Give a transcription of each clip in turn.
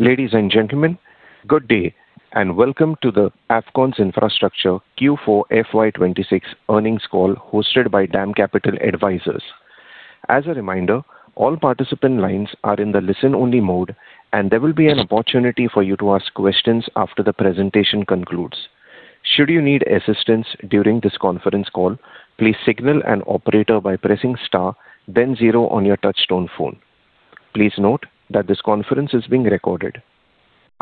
Ladies and gentlemen, good day, and welcome to the Afcons Infrastructure Q4 FY 2026 earnings call hosted by DAM Capital Advisors. As a reminder, all participant lines are in the listen only mode, and there will be an opportunity for you to ask questions after the presentation concludes. Should you need assistance during this conference call, please signal an operator by pressing star then zero on your touchtone phone. Please note that this conference is being recorded.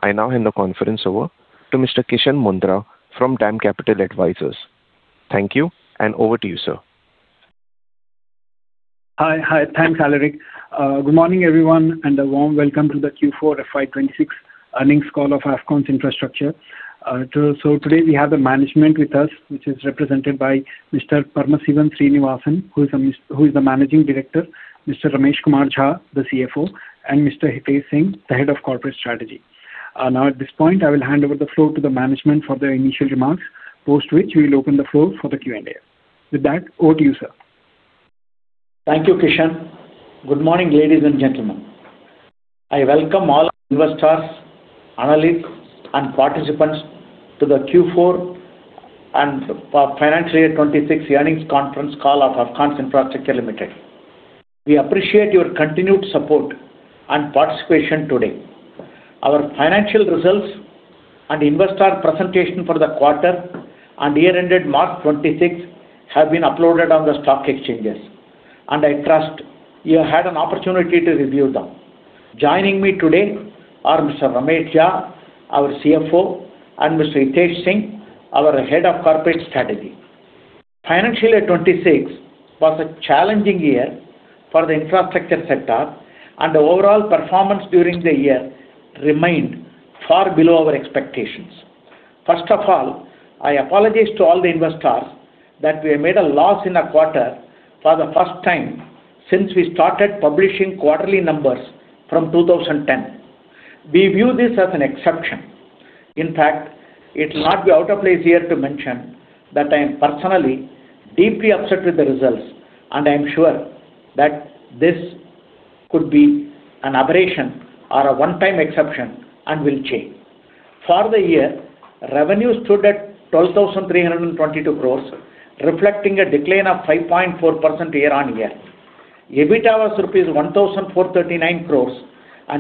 I now hand the conference over to Mr. Kishan Mundhra from DAM Capital Advisors. Thank you and over to you, sir. Hi. Hi. Thanks, Alaric. Good morning, everyone, and a warm welcome to the Q4 FY 2026 earnings call of Afcons Infrastructure. Today we have the management with us, which is represented by Mr. Paramasivan Srinivasan, who is the Managing Director, Mr. Ramesh Kumar Jha, the CFO, and Mr. Hitesh Singh, the Head of Corporate Strategy. Now at this point, I will hand over the floor to the management for their initial remarks, post which we will open the floor for the Q&A. With that, over to you, sir. Thank you, Kishan. Good morning, ladies and gentlemen. I welcome all investors, analysts, and participants to the Q4 and for financial year 2026 earnings conference call of Afcons Infrastructure Limited. We appreciate your continued support and participation today. Our financial results and investor presentation for the quarter and year ended March 2026 have been uploaded on the stock exchanges, and I trust you had an opportunity to review them. Joining me today are Mr. Ramesh Jha, our CFO, and Mr. Hitesh Singh, our Head of Corporate Strategy. Financial year 2026 was a challenging year for the infrastructure sector, and the overall performance during the year remained far below our expectations. First of all, I apologize to all the investors that we have made a loss in a quarter for the first time since we started publishing quarterly numbers from 2010. We view this as an exception. In fact, it'll not be out of place here to mention that I am personally deeply upset with the results. I am sure that this could be an aberration or a one-time exception and will change. For the year, revenue stood at 12,322 crore, reflecting a decline of 5.4% year-over-year. EBITDA was rupees 1,439 crore.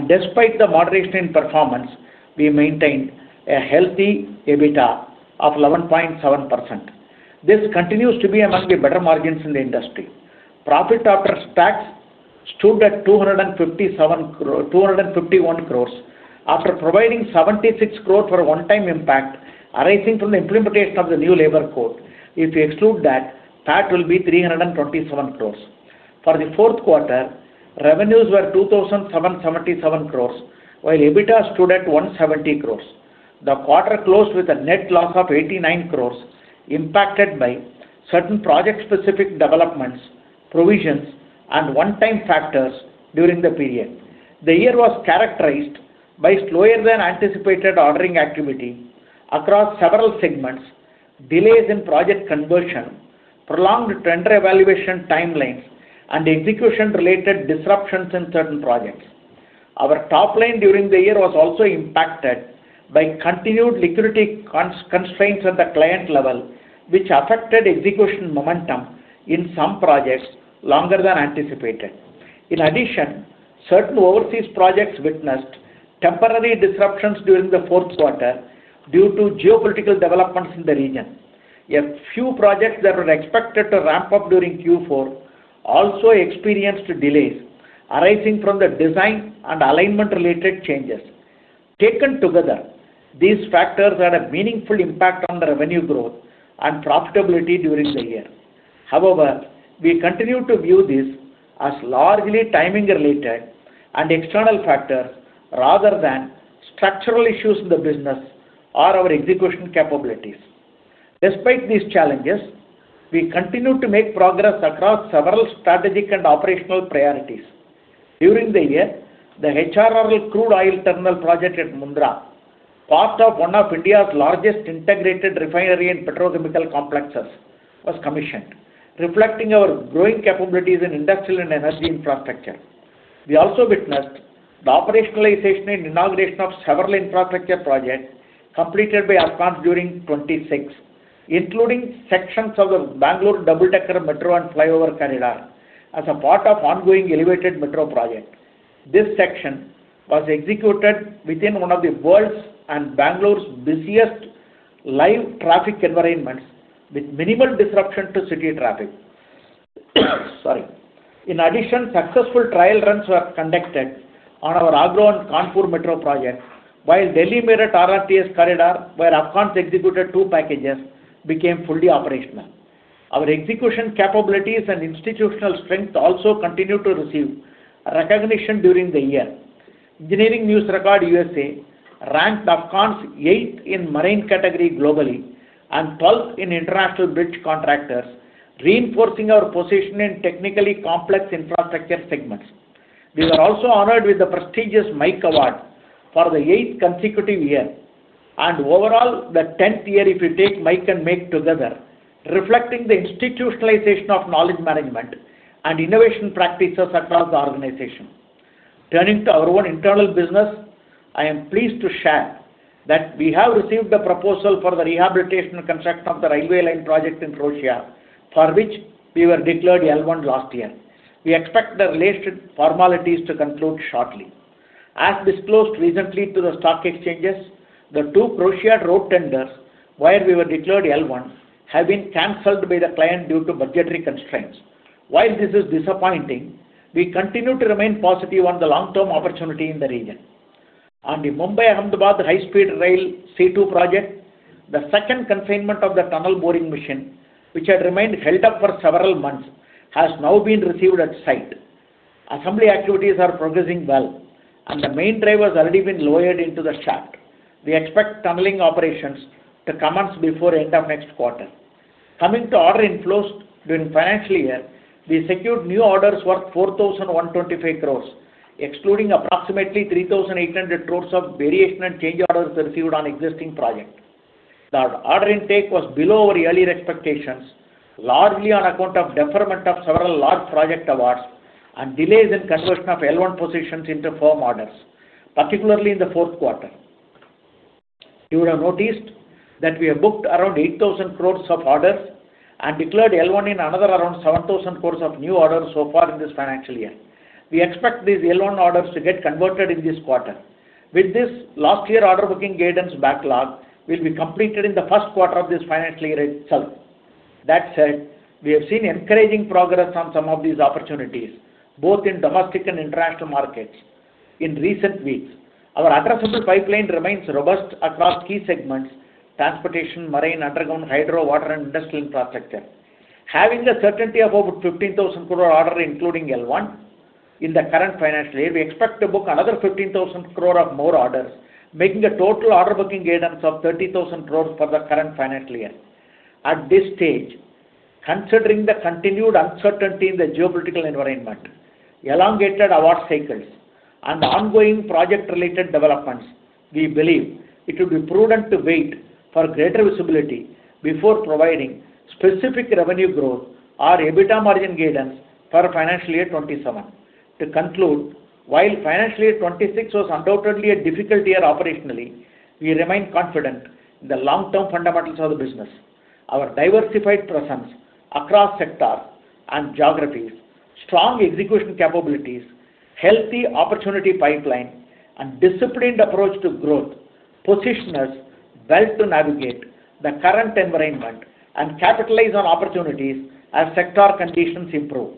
Despite the moderation in performance, we maintained a healthy EBITDA of 11.7%. This continues to be amongst the better margins in the industry. Profit after tax stood at 251 crore after providing 76 crore for a one-time impact arising from the implementation of the new labor code. If you exclude that, PAT will be 327 crore. For the fourth quarter, revenues were 2,777 crore while EBITA stood at 170 crore. The quarter closed with a net loss of 89 crore impacted by certain project-specific developments, provisions, and one-time factors during the period. The year was characterized by slower than anticipated ordering activity across several segments, delays in project conversion, prolonged tender evaluation timelines, and execution-related disruptions in certain projects. Our top line during the year was also impacted by continued liquidity constraints at the client level, which affected execution momentum in some projects longer than anticipated. In addition, certain overseas projects witnessed temporary disruptions during the fourth quarter due to geopolitical developments in the region. A few projects that were expected to ramp up during Q4 also experienced delays arising from the design and alignment-related changes. Taken together, these factors had a meaningful impact on the revenue growth and profitability during the year. However, we continue to view this as largely timing related and external factors rather than structural issues in the business or our execution capabilities. Despite these challenges, we continue to make progress across several strategic and operational priorities. During the year, the HRRL crude oil terminal project at Mundra, part of one of India's largest integrated refinery and petrochemical complexes, was commissioned, reflecting our growing capabilities in industrial and energy infrastructure. We also witnessed the operationalization and inauguration of several infrastructure projects completed by Afcons during 2026, including sections of the Bengaluru double-decker metro and flyover corridor as a part of ongoing elevated metro project. This section was executed within one of the world's and Bengaluru's busiest live traffic environments with minimal disruption to city traffic. Sorry. In addition, successful trial runs were conducted on our Agra and Kanpur metro project, while Delhi-Meerut RRTS Corridor, where Afcons executed two packages, became fully operational. Our execution capabilities and institutional strength also continued to receive recognition during the year. Engineering News-Record U.S.A. ranked Afcons eighth in marine category globally and 12th in international bridge contractors, reinforcing our position in technically complex infrastructure segments. We were also honored with the prestigious MIKE Award for the eigth consecutive year. Overall, the 10th year, if you take MAKE and MIKE together, reflecting the institutionalization of knowledge management and innovation practices across the organization. Turning to our own internal business, I am pleased to share that we have received a proposal for the rehabilitation and construction of the railway line project in Russia, for which we were declared L1 last year. We expect the related formalities to conclude shortly. As disclosed recently to the stock exchanges, the two Russia road tenders, where we were declared L1, have been canceled by the client due to budgetary constraints. While this is disappointing, we continue to remain positive on the long-term opportunity in the region. On the Mumbai-Ahmedabad High-Speed Rail Corridor Package C-2 project, the second consignment of the tunnel boring machine, which had remained held up for several months, has now been received at site. Assembly activities are progressing well, and the main drive has already been lowered into the shaft. We expect tunneling operations to commence before end of next quarter. Coming to order inflows during financial year, we secured new orders worth 4,125 crore, excluding approximately 3,800 crore of variation and change orders received on existing projects. The order intake was below our earlier expectations, largely on account of deferment of several large project awards and delays in conversion of L1 positions into firm orders, particularly in the fourth quarter. You would have noticed that we have booked around 8,000 crore of orders and declared L1 in another around 7,000 crore of new orders so far in this financial year. We expect these L1 orders to get converted in this quarter. With this last year order booking guidance backlog will be completed in the first quarter of this financial year itself. That said, we have seen encouraging progress on some of these opportunities, both in domestic and international markets in recent weeks. Our addressable pipeline remains robust across key segments, transportation, marine, underground, hydro, water, and industrial infrastructure. Having the certainty of about 15,000 crore order, including L1 in the current financial year, we expect to book another 15,000 crore of more orders, making a total order booking guidance of 30,000 crore for the current financial year. At this stage, considering the continued uncertainty in the geopolitical environment, elongated award cycles, and ongoing project-related developments, we believe it would be prudent to wait for greater visibility before providing specific revenue growth or EBITDA margin guidance for FY 2027. To conclude, while FY 2026 was undoubtedly a difficult year operationally, we remain confident in the long-term fundamentals of the business. Our diversified presence across sectors and geographies, strong execution capabilities, healthy opportunity pipeline, and disciplined approach to growth position us well to navigate the current environment and capitalize on opportunities as sector conditions improve.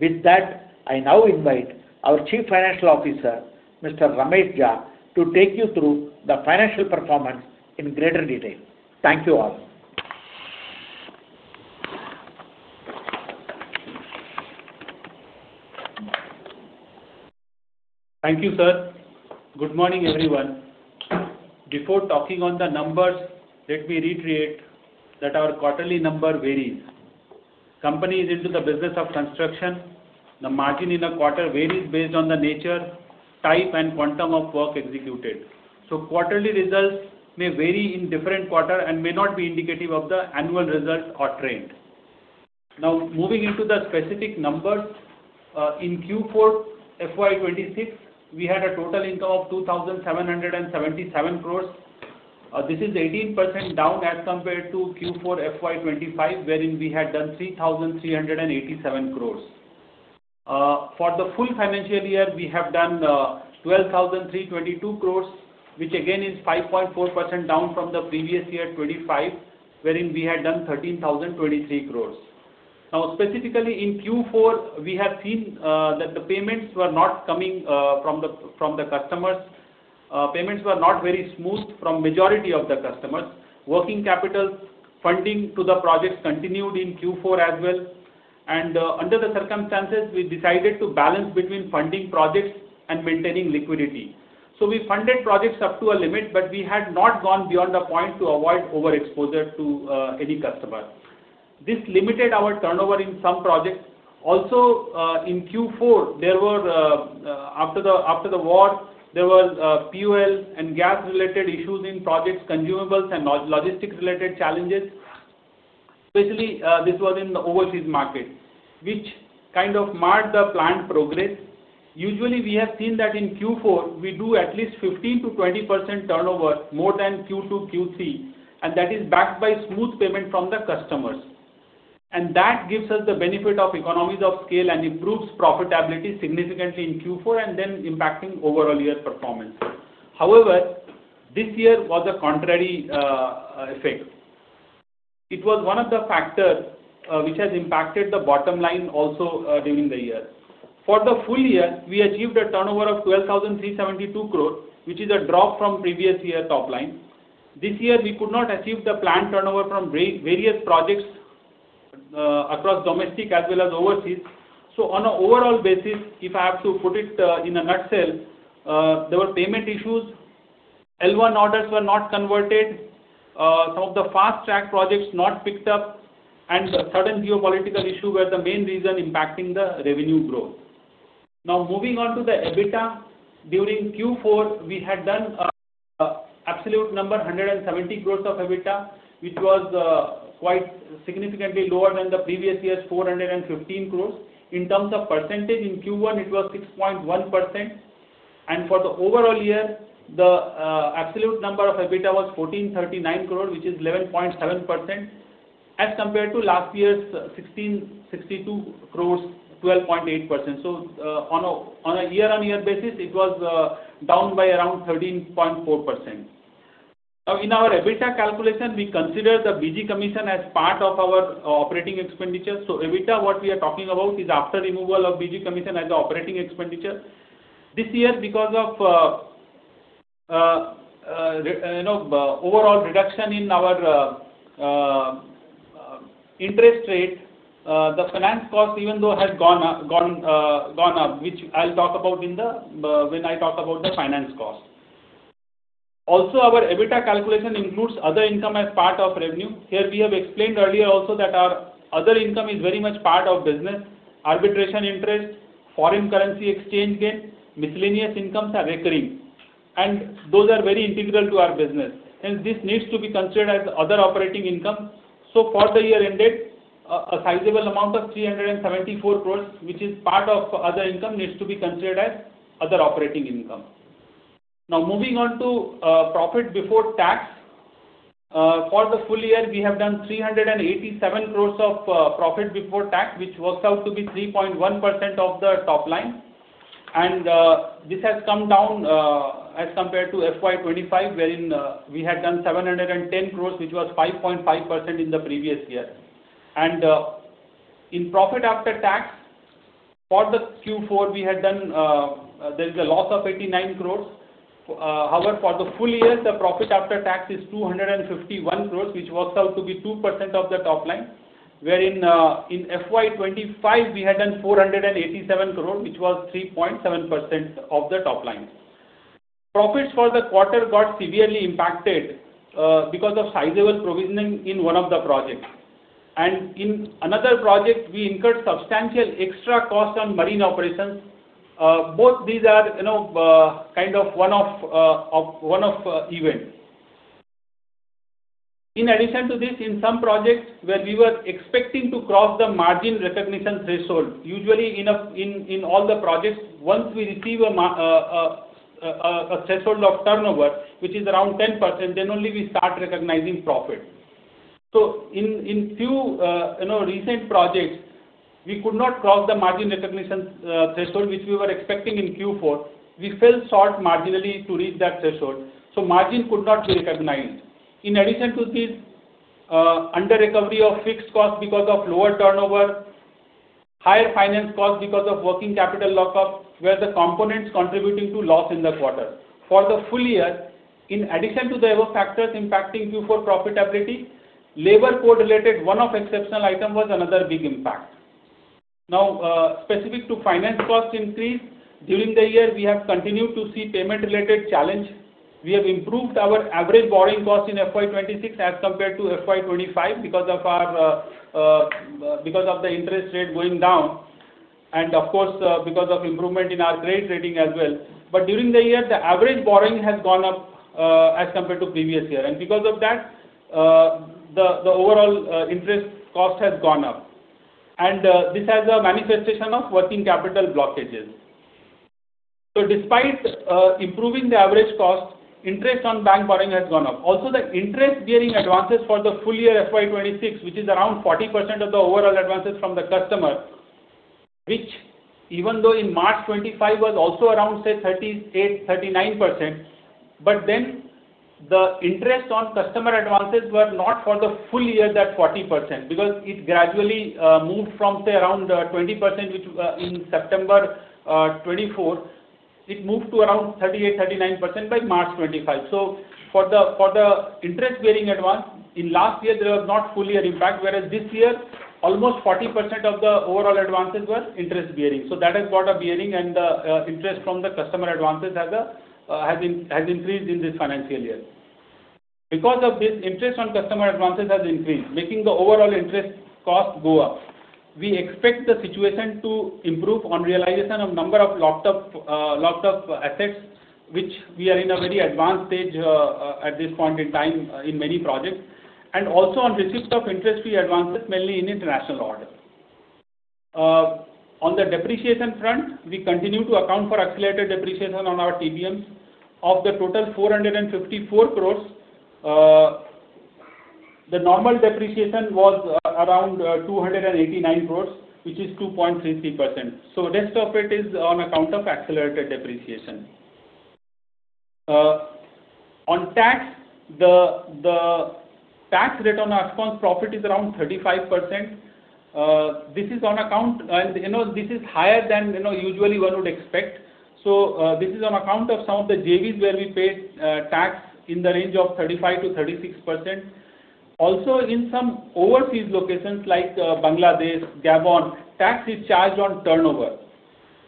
With that, I now invite our Chief Financial Officer, Mr. Ramesh Jha, to take you through the financial performance in greater detail. Thank you all. Thank you, sir. Good morning, everyone. Before talking on the numbers, let me reiterate that our quarterly number varies. Company is into the business of construction. The margin in a quarter varies based on the nature, type, and quantum of work executed. Quarterly results may vary in different quarter and may not be indicative of the annual results or trend. Moving into the specific numbers. In Q4 FY 2026, we had a total income of 2,777 crore. This is 18% down as compared to Q4 FY 2025, wherein we had done 3,387 crore. For the full financial year, we have done 12,322 crore, which again is 5.4% down from the previous year 2025, wherein we had done 13,023 crore. Now, specifically in Q4, we have seen that the payments were not coming from the customers. Payments were not very smooth from majority of the customers. Working capital funding to the projects continued in Q4 as well. Under the circumstances, we decided to balance between funding projects and maintaining liquidity. We funded projects up to a limit, but we had not gone beyond the point to avoid overexposure to any customer. This limited our turnover in some projects. In Q4, there were after the war, there was POL and gas-related issues in projects, consumables and logistics related challenges. Especially, this was in the overseas market, which kind of marred the planned progress. Usually, we have seen that in Q4, we do at least 15%-20% turnover more than Q2, Q3. That is backed by smooth payment from the customers. That gives us the benefit of economies of scale and improves profitability significantly in Q4 and then impacting overall year performance. However, this year was a contrary effect. It was one of the factors which has impacted the bottom line also during the year. For the full year, we achieved a turnover of 12,372 crore, which is a drop from previous year top line. This year, we could not achieve the planned turnover from various projects across domestic as well as overseas. On an overall basis, if I have to put it in a nutshell, there were payment issues. L1 orders were not converted. Some of the fast-track projects not picked up. Sudden geopolitical issue were the main reason impacting the revenue growth. Moving on to the EBITDA. During Q4, we had done absolute number 170 crore of EBITDA, which was quite significantly lower than the previous year's 415 crore. In terms of percentage, in Q1 it was 6.1%. For the overall year, the absolute number of EBITDA was 1,439 crore, which is 11.7%, as compared to last year's 1,662 crore, 12.8%. On a year-on-year basis, it was down by around 13.4%. In our EBITDA calculation, we consider the BG commission as part of our operating expenditure. EBITDA, what we are talking about is after removal of BG commission as the operating expenditure. This year, because of, you know, overall reduction in our interest rate, the finance cost even though has gone up, gone up, which I'll talk about when I talk about the finance cost. Our EBITDA calculation includes other income as part of revenue. We have explained earlier also that our other income is very much part of business. Arbitration interest, foreign currency exchange gain, miscellaneous incomes are recurring, and those are very integral to our business, and this needs to be considered as other operating income. For the year ended, a sizable amount of 374 crore, which is part of other income, needs to be considered as other operating income. Now moving on to profit before tax. For the full year, we have done 387 crore of profit before tax, which works out to be 3.1% of the top line. This has come down as compared to FY 2025, wherein we had done 710 crore, which was 5.5% in the previous year. In profit after tax for the Q4, we had done there is a loss of 89 crore. However, for the full year, the profit after tax is 251 crore, which works out to be 2% of the top line. Wherein, in FY 2025, we had done 487 crore, which was 3.7% of the top line. Profits for the quarter got severely impacted because of sizable provisioning in one of the projects. In another project, we incurred substantial extra cost on marine operations. Both these are, you know, kind of one-off event. In addition to this, in some projects where we were expecting to cross the margin recognition threshold, usually in all the projects, once we receive a threshold of turnover which is around 10%, then only we start recognizing profit. In few, you know, recent projects, we could not cross the margin recognition threshold which we were expecting in Q4. We fell short marginally to reach that threshold, so margin could not be recognized. In addition to this, under-recovery of fixed cost because of lower turnover, higher finance cost because of working capital lockup, were the components contributing to loss in the quarter. For the full year, in addition to the above factors impacting Q4 profitability, labor code-related one-off exceptional item was another big impact. Specific to finance cost increase, during the year, we have continued to see payment-related challenge. We have improved our average borrowing cost in FY 2026 as compared to FY 2025 because of our because of the interest rate going down and of course, because of improvement in our credit rating as well. During the year, the average borrowing has gone up as compared to previous year. Because of that, the overall interest cost has gone up. This has a manifestation of working capital blockages. Despite improving the average cost, interest on bank borrowing has gone up. Also, the interest-bearing advances for the full year FY 2026, which is around 40% of the overall advances from the customer, which even though in March 2025 was also around, say, 38%-39%. The interest on customer advances were not for the full year that 40%, because it gradually moved from, say, around 20%, which in September 2024, it moved to around 38%-39% by March 2025. For the interest bearing advance in last year, there was not full year impact, whereas this year almost 40% of the overall advances were interest bearing. That has got a bearing and the interest from the customer advances has increased in this financial year. Because of this, interest on customer advances has increased, making the overall interest cost go up. We expect the situation to improve on realization of locked up assets, which we are in a very advanced stage at this point in time in many projects, and also on receipt of interest-free advances, mainly in international order. On the depreciation front, we continue to account for accelerated depreciation on our TBMs. Of the total 454 crore, the normal depreciation was around 289 crore, which is 2.33%. Rest of it is on account of accelerated depreciation. On tax, the tax rate on Afcons' profit is around 35%. This is on account, you know, this is higher than, you know, usually one would expect. This is on account of some of the JVs where we paid tax in the range of 35%-36%. Also, in some overseas locations like Bangladesh, Gabon, tax is charged on turnover.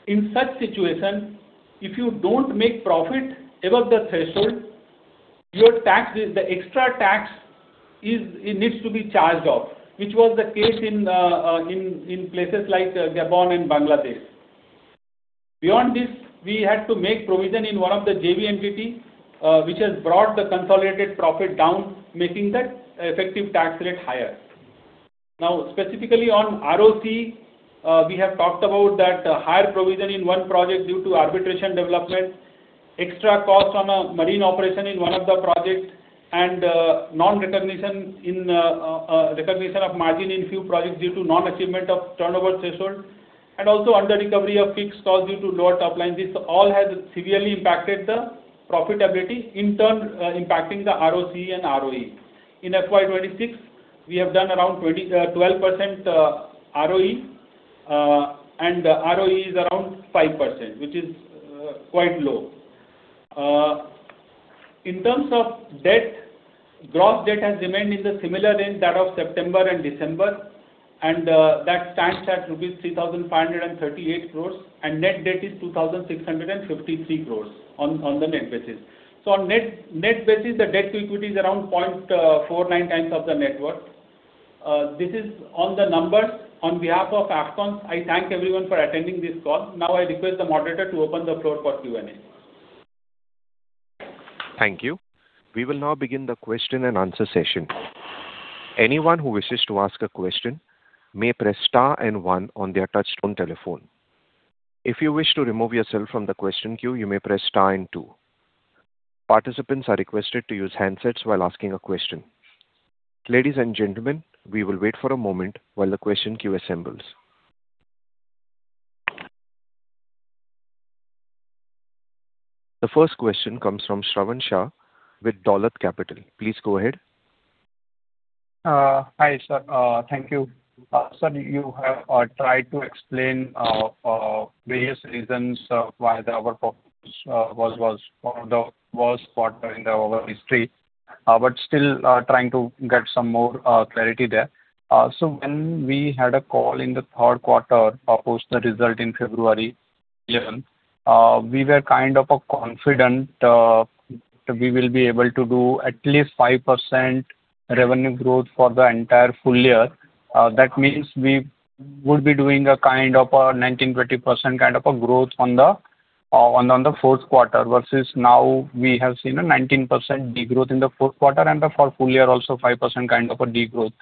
In such situation, if you don't make profit above the threshold. Your tax is, the extra tax is, it needs to be charged off, which was the case in places like Gabon and Bangladesh. Beyond this, we had to make provision in one of the JV entity, which has brought the consolidated profit down, making the effective tax rate higher. Specifically on ROT, we have talked about that higher provision in one project due to arbitration development, extra cost on a marine operation in one of the project, and non-recognition of margin in few projects due to non-achievement of turnover threshold, and also under-recovery of fixed costs due to lower top line. This all has severely impacted the profitability, in turn, impacting the ROC and ROE. In FY 2026, we have done around 12% ROE, and ROE is around 5%, which is quite low. In terms of debt, gross debt has remained in the similar range that of September and December, and that stands at rupees 3,538 crore, and net debt is 2,653 crore on the net basis. On net basis, the debt to equity is around 0.49x of the net worth. This is all the numbers. On behalf of Afcons, I thank everyone for attending this call. I request the moderator to open the floor for Q&A. Thank you. We will now begin the question-and-answer session. Anyone who wishes to ask a question may press star and one on their touchtone telephone. If you wish to remove yourself from the question queue, you may press star and two. Participants are requested to use handsets while asking a question. Ladies and gentlemen, we will wait for a moment while the question queue assembles. The first question comes from Shravan Shah with Dolat Capital. Please go ahead. Hi, sir. Thank you. Sir, you have tried to explain various reasons of why the overall performance was one of the worst quarter in the overall history. Still, trying to get some more clarity there. When we had a call in the third quarter, post the result in February, we were kind of confident, we will be able to do at least 5% revenue growth for the entire full year. That means we would be doing a kind of 19%-20% kind of a growth on the fourth quarter versus now we have seen a 19% degrowth in the fourth quarter and for full year also 5% kind of a degrowth.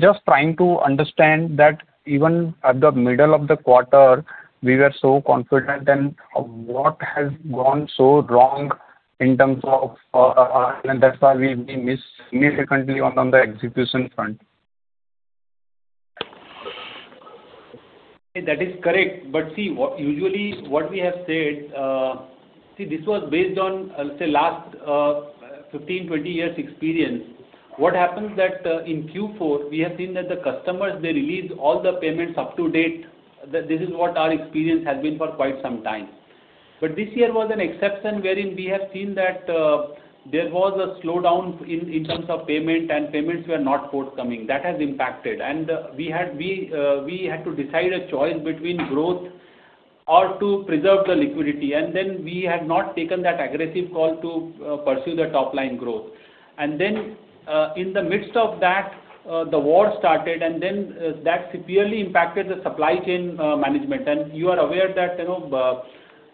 Just trying to understand that even at the middle of the quarter we were so confident and what has gone so wrong in terms of, and that's why we missed significantly on the execution front. That is correct. See, usually what we have said, this was based on, say last 15, 20 years experience. What happens that, in Q4, we have seen that the customers, they release all the payments up to date. This is what our experience has been for quite some time. This year was an exception wherein we have seen that there was a slowdown in terms of payment, and payments were not forthcoming. That has impacted. We had to decide a choice between growth or to preserve the liquidity. We had not taken that aggressive call to pursue the top line growth. In the midst of that, the war started, that severely impacted the supply chain management. You are aware that, you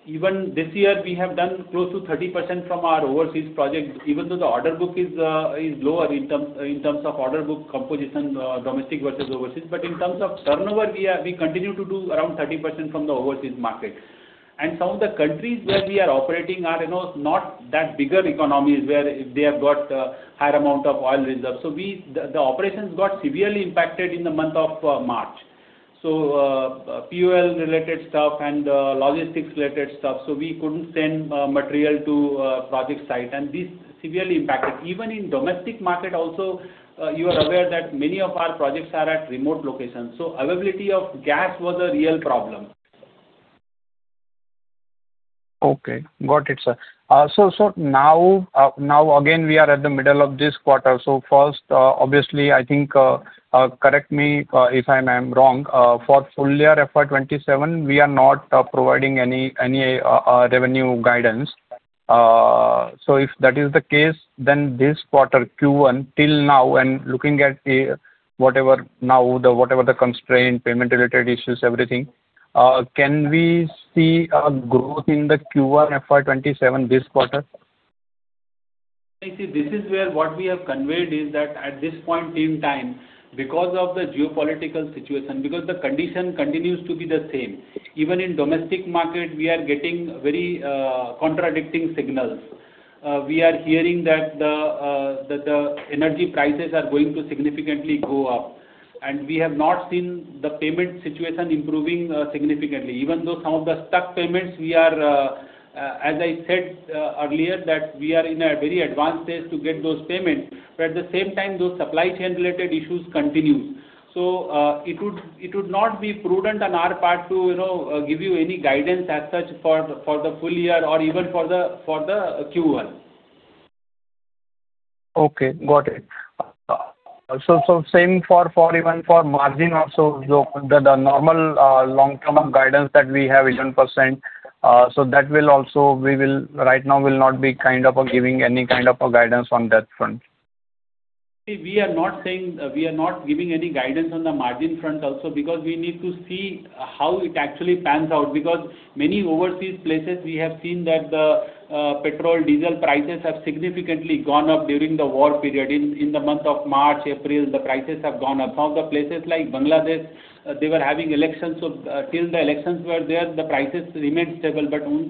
know, even this year we have done close to 30% from our overseas projects, even though the order book is lower in terms of order book composition, domestic versus overseas. In terms of turnover, we continue to do around 30% from the overseas market. Some of the countries where we are operating are, you know, not that bigger economies where they have got higher amount of oil reserves. The operations got severely impacted in the month of March. Fuel related stuff and logistics related stuff. We couldn't send material to project site, and this severely impacted. In domestic market also, you are aware that many of our projects are at remote locations. Availability of gas was a real problem. Okay. Got it, sir. Now again, we are at the middle of this quarter. First, obviously, I think, correct me if I'm wrong. For full year FY 2027, we are not providing any revenue guidance. If that is the case, then this quarter, Q1 till now and looking at whatever the constraint, payment related issues, everything, can we see a growth in the Q1 FY 2027 this quarter? See, this is where what we have conveyed is that at this point in time, because of the geopolitical situation, because the condition continues to be the same. Even in domestic market, we are getting very contradicting signals. We are hearing that the energy prices are going to significantly go up. We have not seen the payment situation improving significantly. Even though some of the stuck payments we are, as I said, earlier, that we are in a very advanced stage to get those payments, but at the same time, those supply chain related issues continue. It would not be prudent on our part to, you know, give you any guidance as such for the, for the full year or even for the, for the Q1. Okay. Got it. So, same for even for margin also, the normal long-term guidance that we have 18%, that will also, we will right now not be kind of giving any kind of guidance on that front. We are not giving any guidance on the margin front also because we need to see how it actually pans out. Many overseas places we have seen that the petrol, diesel prices have significantly gone up during the war period. In the month of March, April, the prices have gone up. Some of the places like Bangladesh, they were having elections, till the elections were there, the prices remained stable,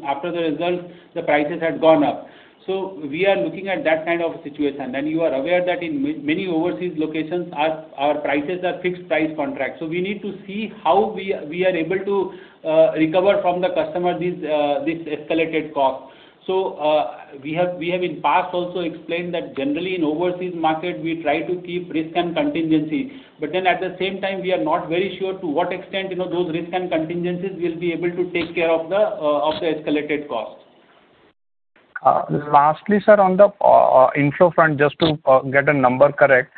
after the results, the prices had gone up. We are looking at that kind of situation. You are aware that in many overseas locations, our prices are fixed price contract. We need to see how we are able to recover from the customer this escalated cost. We have in past also explained that generally in overseas market we try to keep risk and contingencies. At the same time, we are not very sure to what extent, you know, those risk and contingencies will be able to take care of the of the escalated cost. Lastly, sir, on the inflow front, just to get a number correct.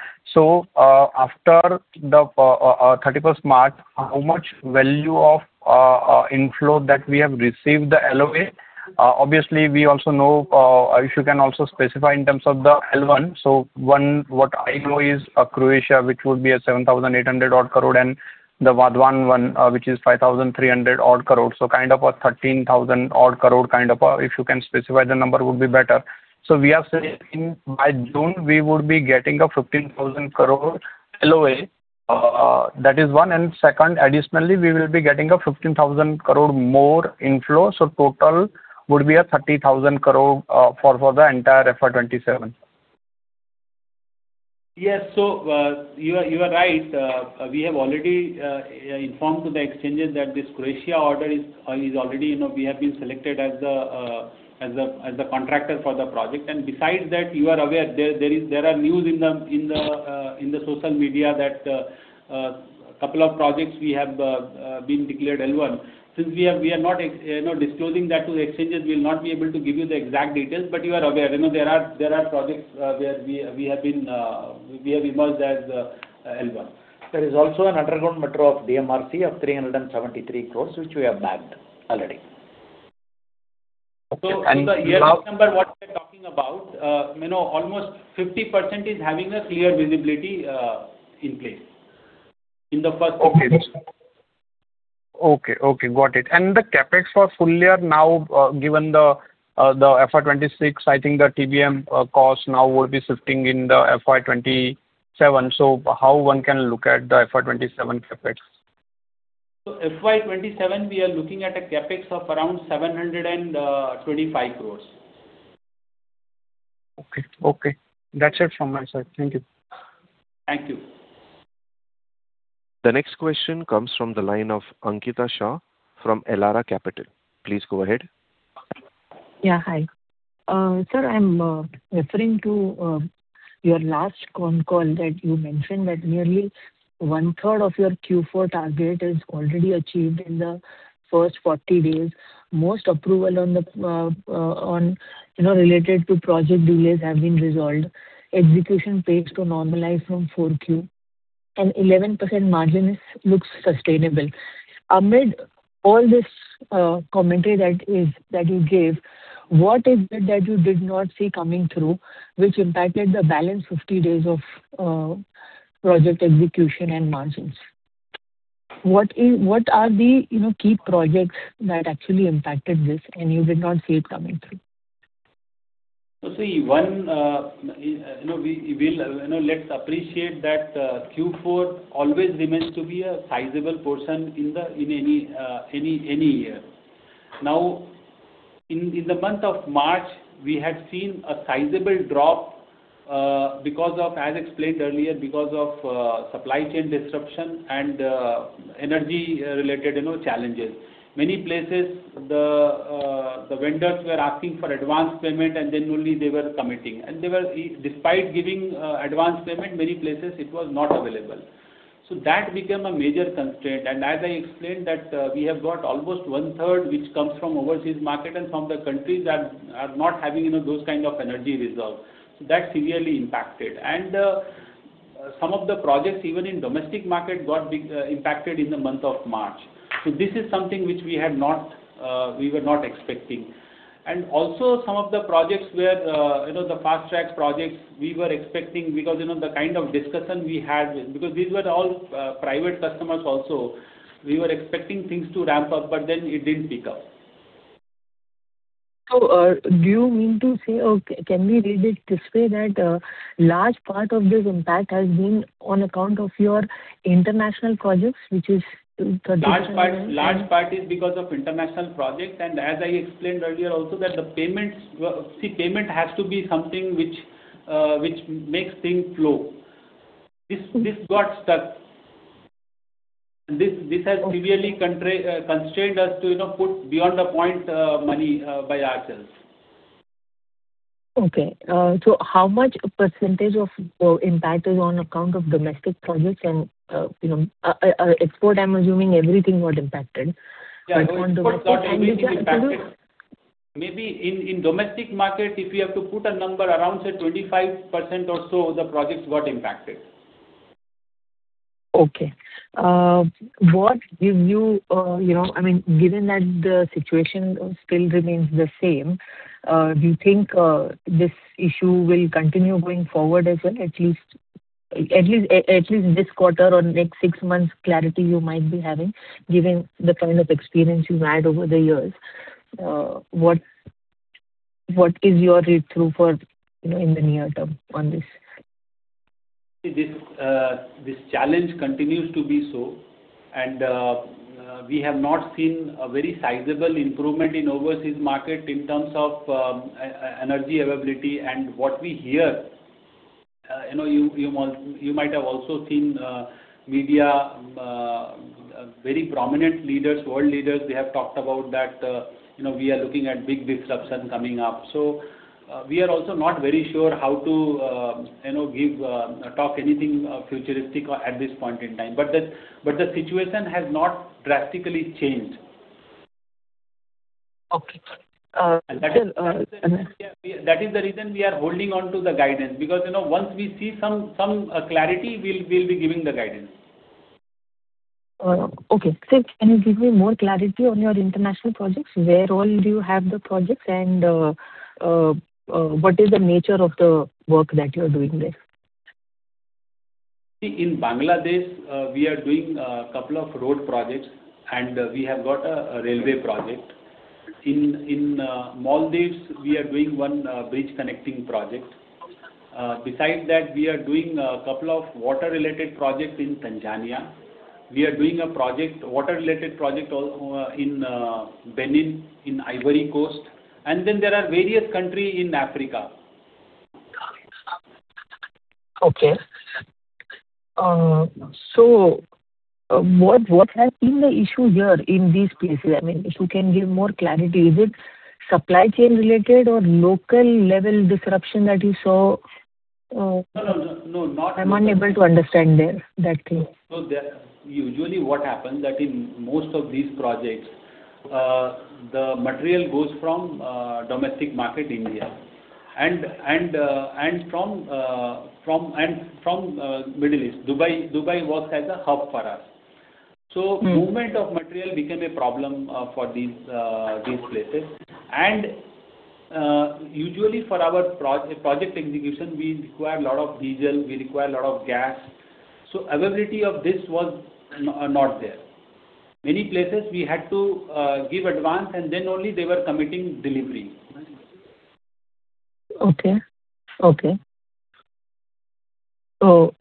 After the March 31st, how much value of inflow that we have received the LOA. Obviously we also know, if you can also specify in terms of the L1. One, what I know is, Croatia, which would be a 7,800 odd crore and the Vadhavan one, which is a 5,300 odd crore. Kind of a 13,000 odd crore kind of, if you can specify the number would be better. We are saying by June we would be getting a 15,000 crore LOA. That is one. Second, additionally, we will be getting a 15,000 crore more inflow. Total would be a 30,000 crore for the entire FY 2027. Yes. You are right. We have already informed to the exchanges that this Croatia order is already, you know, we have been selected as the contractor for the project. Besides that, you are aware there are news in the social media that couple of projects we have been declared L1. Since we are not, you know, disclosing that to the exchanges, we'll not be able to give you the exact details, but you are aware. You know, there are projects where we have been emerged as L1. There is also an underground metro of DMRC of 373 crore which we have bagged already. Okay. In the year number what we are talking about, you know, almost 50% is having a clear visibility, in place. Okay. Okay. Okay. Got it. The CapEx for full year now, given the FY 2026, I think the TBM cost now will be shifting in the FY 2027. How one can look at the FY 2027 CapEx? FY 2027 we are looking at a CapEx of around 725 crore. Okay. Okay. That's it from my side. Thank you. Thank you. The next question comes from the line of Ankita Shah from Elara Capital. Please go ahead. Yeah. Hi. Sir, I'm referring to your last con call that you mentioned that nearly one-third of your Q4 target is already achieved in the first 40 days. Most approval on the, on, you know, related to project delays have been resolved. Execution pace to normalize from 4Q and 11% margin looks sustainable. Amid all this commentary that you gave, what is it that you did not see coming through which impacted the balance 50 days of project execution and margins? What are the, you know, key projects that actually impacted this and you did not see it coming through? See one, you know, we will, you know, let's appreciate that Q4 always remains to be a sizable portion in any year. In the month of March we had seen a sizable drop, because of, as explained earlier, because of supply chain disruption and energy related, you know, challenges. Many places the vendors were asking for advanced payment and then only they were committing. They were, despite giving advanced payment, many places it was not available. That became a major constraint. As I explained that we have got almost 1/3 which comes from overseas market and from the countries that are not having, you know, those kind of energy reserve. That severely impacted. Some of the projects even in domestic market got big impacted in the month of March. This is something which we were not expecting. Also some of the projects where, you know, the fast track projects we were expecting because, you know, the kind of discussion we had with Because these were all private customers also. We were expecting things to ramp up, it didn't pick up. Do you mean to say or can we read it this way that large part of this impact has been on account of your international projects, which is 30%? Large part is because of international projects. As I explained earlier also that payment has to be something which makes things flow. This got stuck. This has severely constrained us to, you know, put beyond the point money by ourselves. Okay. How much percentagr of impact is on account of domestic projects and, you know, export? I'm assuming everything got impacted. Maybe in domestic market, if you have to put a number around, say, 25% or so of the projects got impacted. Okay. What give you know, I mean, given that the situation still remains the same, do you think this issue will continue going forward as well, at least this quarter or next six months clarity you might be having, given the kind of experience you've had over the years? What is your read-through for, you know, in the near term on this? This, this challenge continues to be so, and we have not seen a very sizable improvement in overseas market in terms of energy availability. What we hear, you know, you might have also seen media, very prominent leaders, world leaders, they have talked about that, you know, we are looking at big disruption coming up. We are also not very sure how to, you know, give talk anything futuristic at this point in time. The situation has not drastically changed. Okay. That is the reason we are holding on to the guidance because, you know, once we see some clarity, we'll be giving the guidance. Okay. Sir, can you give me more clarity on your international projects? Where all do you have the projects and what is the nature of the work that you're doing there? In Bangladesh, we are doing a couple of road projects, and we have got a railway project. In Maldives, we are doing one bridge connecting project. Okay. Besides that, we are doing a couple of water-related projects in Tanzania. We are doing a project, water-related project in Benin, in Ivory Coast, and then there are various country in Africa. Okay. what has been the issue here in these places? I mean, if you can give more clarity. Is it supply chain related or local level disruption that you saw? No, no. No. I'm unable to understand there, that clear. Usually what happens that in most of these projects, the material goes from domestic market, India, and from Middle East. Dubai works as a hub for us. Movement of material became a problem for these these places. Usually for our project execution, we require a lot of diesel, we require a lot of gas. Availability of this was not there. Many places we had to give advance, and then only they were committing delivery. Okay.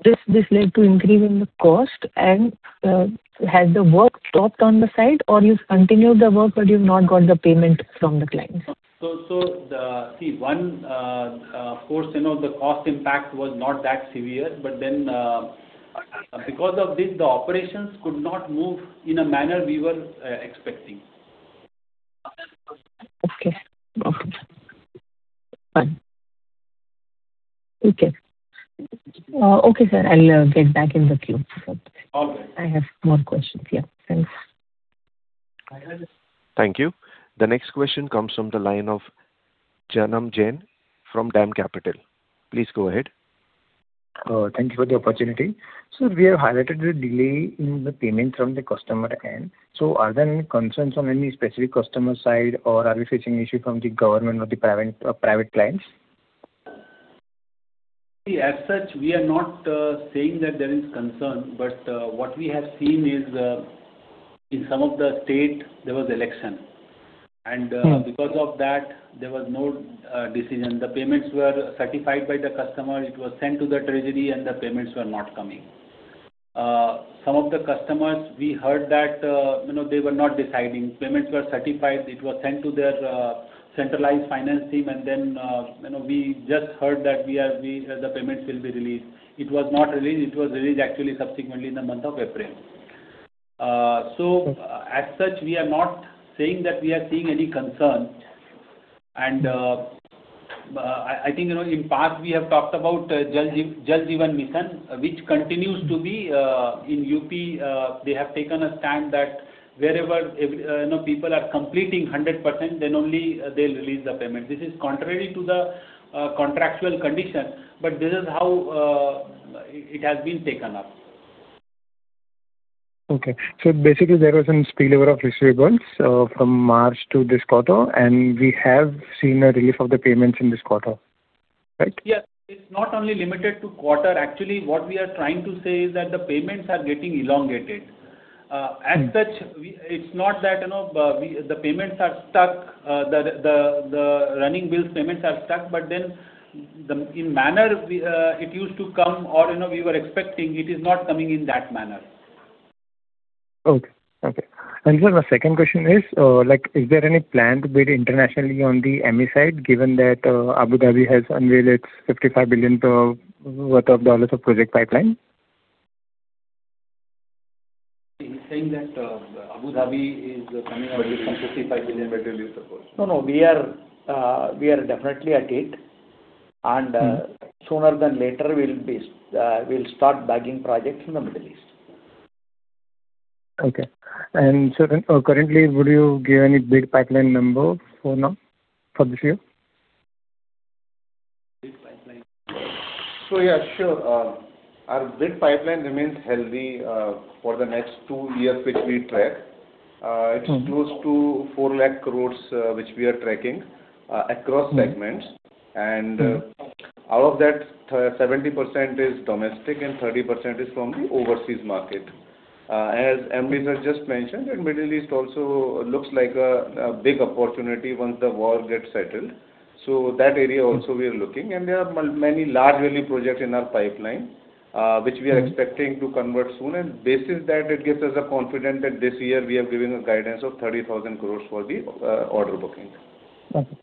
This led to increase in the cost and has the work stopped on the site, or you've continued the work but you've not got the payment from the clients? Of course, you know, the cost impact was not that severe. Because of this, the operations could not move in a manner we were expecting. Okay. Okay. Fine. Okay. Okay, sir, I'll get back in the queue. Okay. I have more questions here. Thanks. Hi. Thank you. The next question comes from the line of Jainam Jain from DAM Capital. Please go ahead. Thank you for the opportunity. Sir, we have highlighted the delay in the payment from the customer end. Are there any concerns on any specific customer side, or are we facing issue from the government or the private clients? See, as such, we are not saying that there is concern, but what we have seen is, in some of the state there was election. Because of that, there was no decision. The payments were certified by the customer. It was sent to the treasury, and the payments were not coming. Some of the customers, we heard that, you know, they were not deciding. Payments were certified. It was sent to their centralized finance team and then, you know, we just heard that the payments will be released. It was not released. It was released actually subsequently in the month of April. Okay As such, we are not saying that we are seeing any concern. I think, you know, in past we have talked about Jal Jeevan Mission, which continues to be in UP. They have taken a stand that wherever every, you know, people are completing 100%, then only they'll release the payment. This contractual condition, this is how it has been taken up. Okay. Basically there was some spillover of receivables from March to this quarter, and we have seen a relief of the payments in this quarter, right? Yes. It's not only limited to quarter. Actually, what we are trying to say is that the payments are getting elongated. It's not that, you know, the payments are stuck, the running bills payments are stuck, but then the manner we, it used to come or, you know, we were expecting, it is not coming in that manner. Okay. Okay. Sir, my second question is, like, is there any plan to bid internationally on the ME side, given that Abu Dhabi has unveiled its $55 billion worth of project pipeline? He's saying that Abu Dhabi is coming up with some $55 billion- No, no, we are definitely at it, and sooner than later we'll start bagging projects in the Middle East. Okay. Currently, would you give any bid pipeline number for now, for this year? Yeah, sure. Our bid pipeline remains healthy for the next two years, which we track. It's close to 4 lakh crore, which we are tracking, across segments. Out of that, 70% is domestic and 30% is from the overseas market. As Ramesh just mentioned, the Middle East also looks like a big opportunity once the war gets settled. That area also we are looking. There are many large-value projects in our pipeline, which we are expecting to convert soon. Basis that, it gives us a confidence that this year we have given a guidance of 30,000 crore for the order booking. Okay.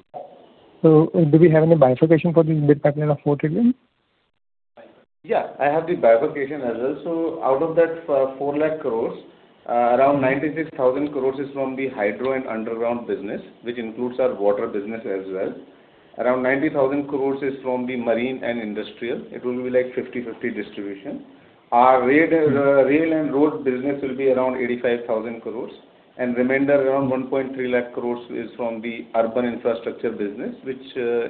Do we have any bifurcation for this bid pipeline of 4 trillion? Yeah, I have the bifurcation as well. Out of that, 4 lakh crore, around 96,000 crore is from the hydro and underground business, which includes our water business as well. Around 90,000 crore is from the marine and industrial. It will be like 50/50 distribution. Our rail and road business will be around 85,000 crore, and remainder around 1.3 lakh crore is from the urban infrastructure business, which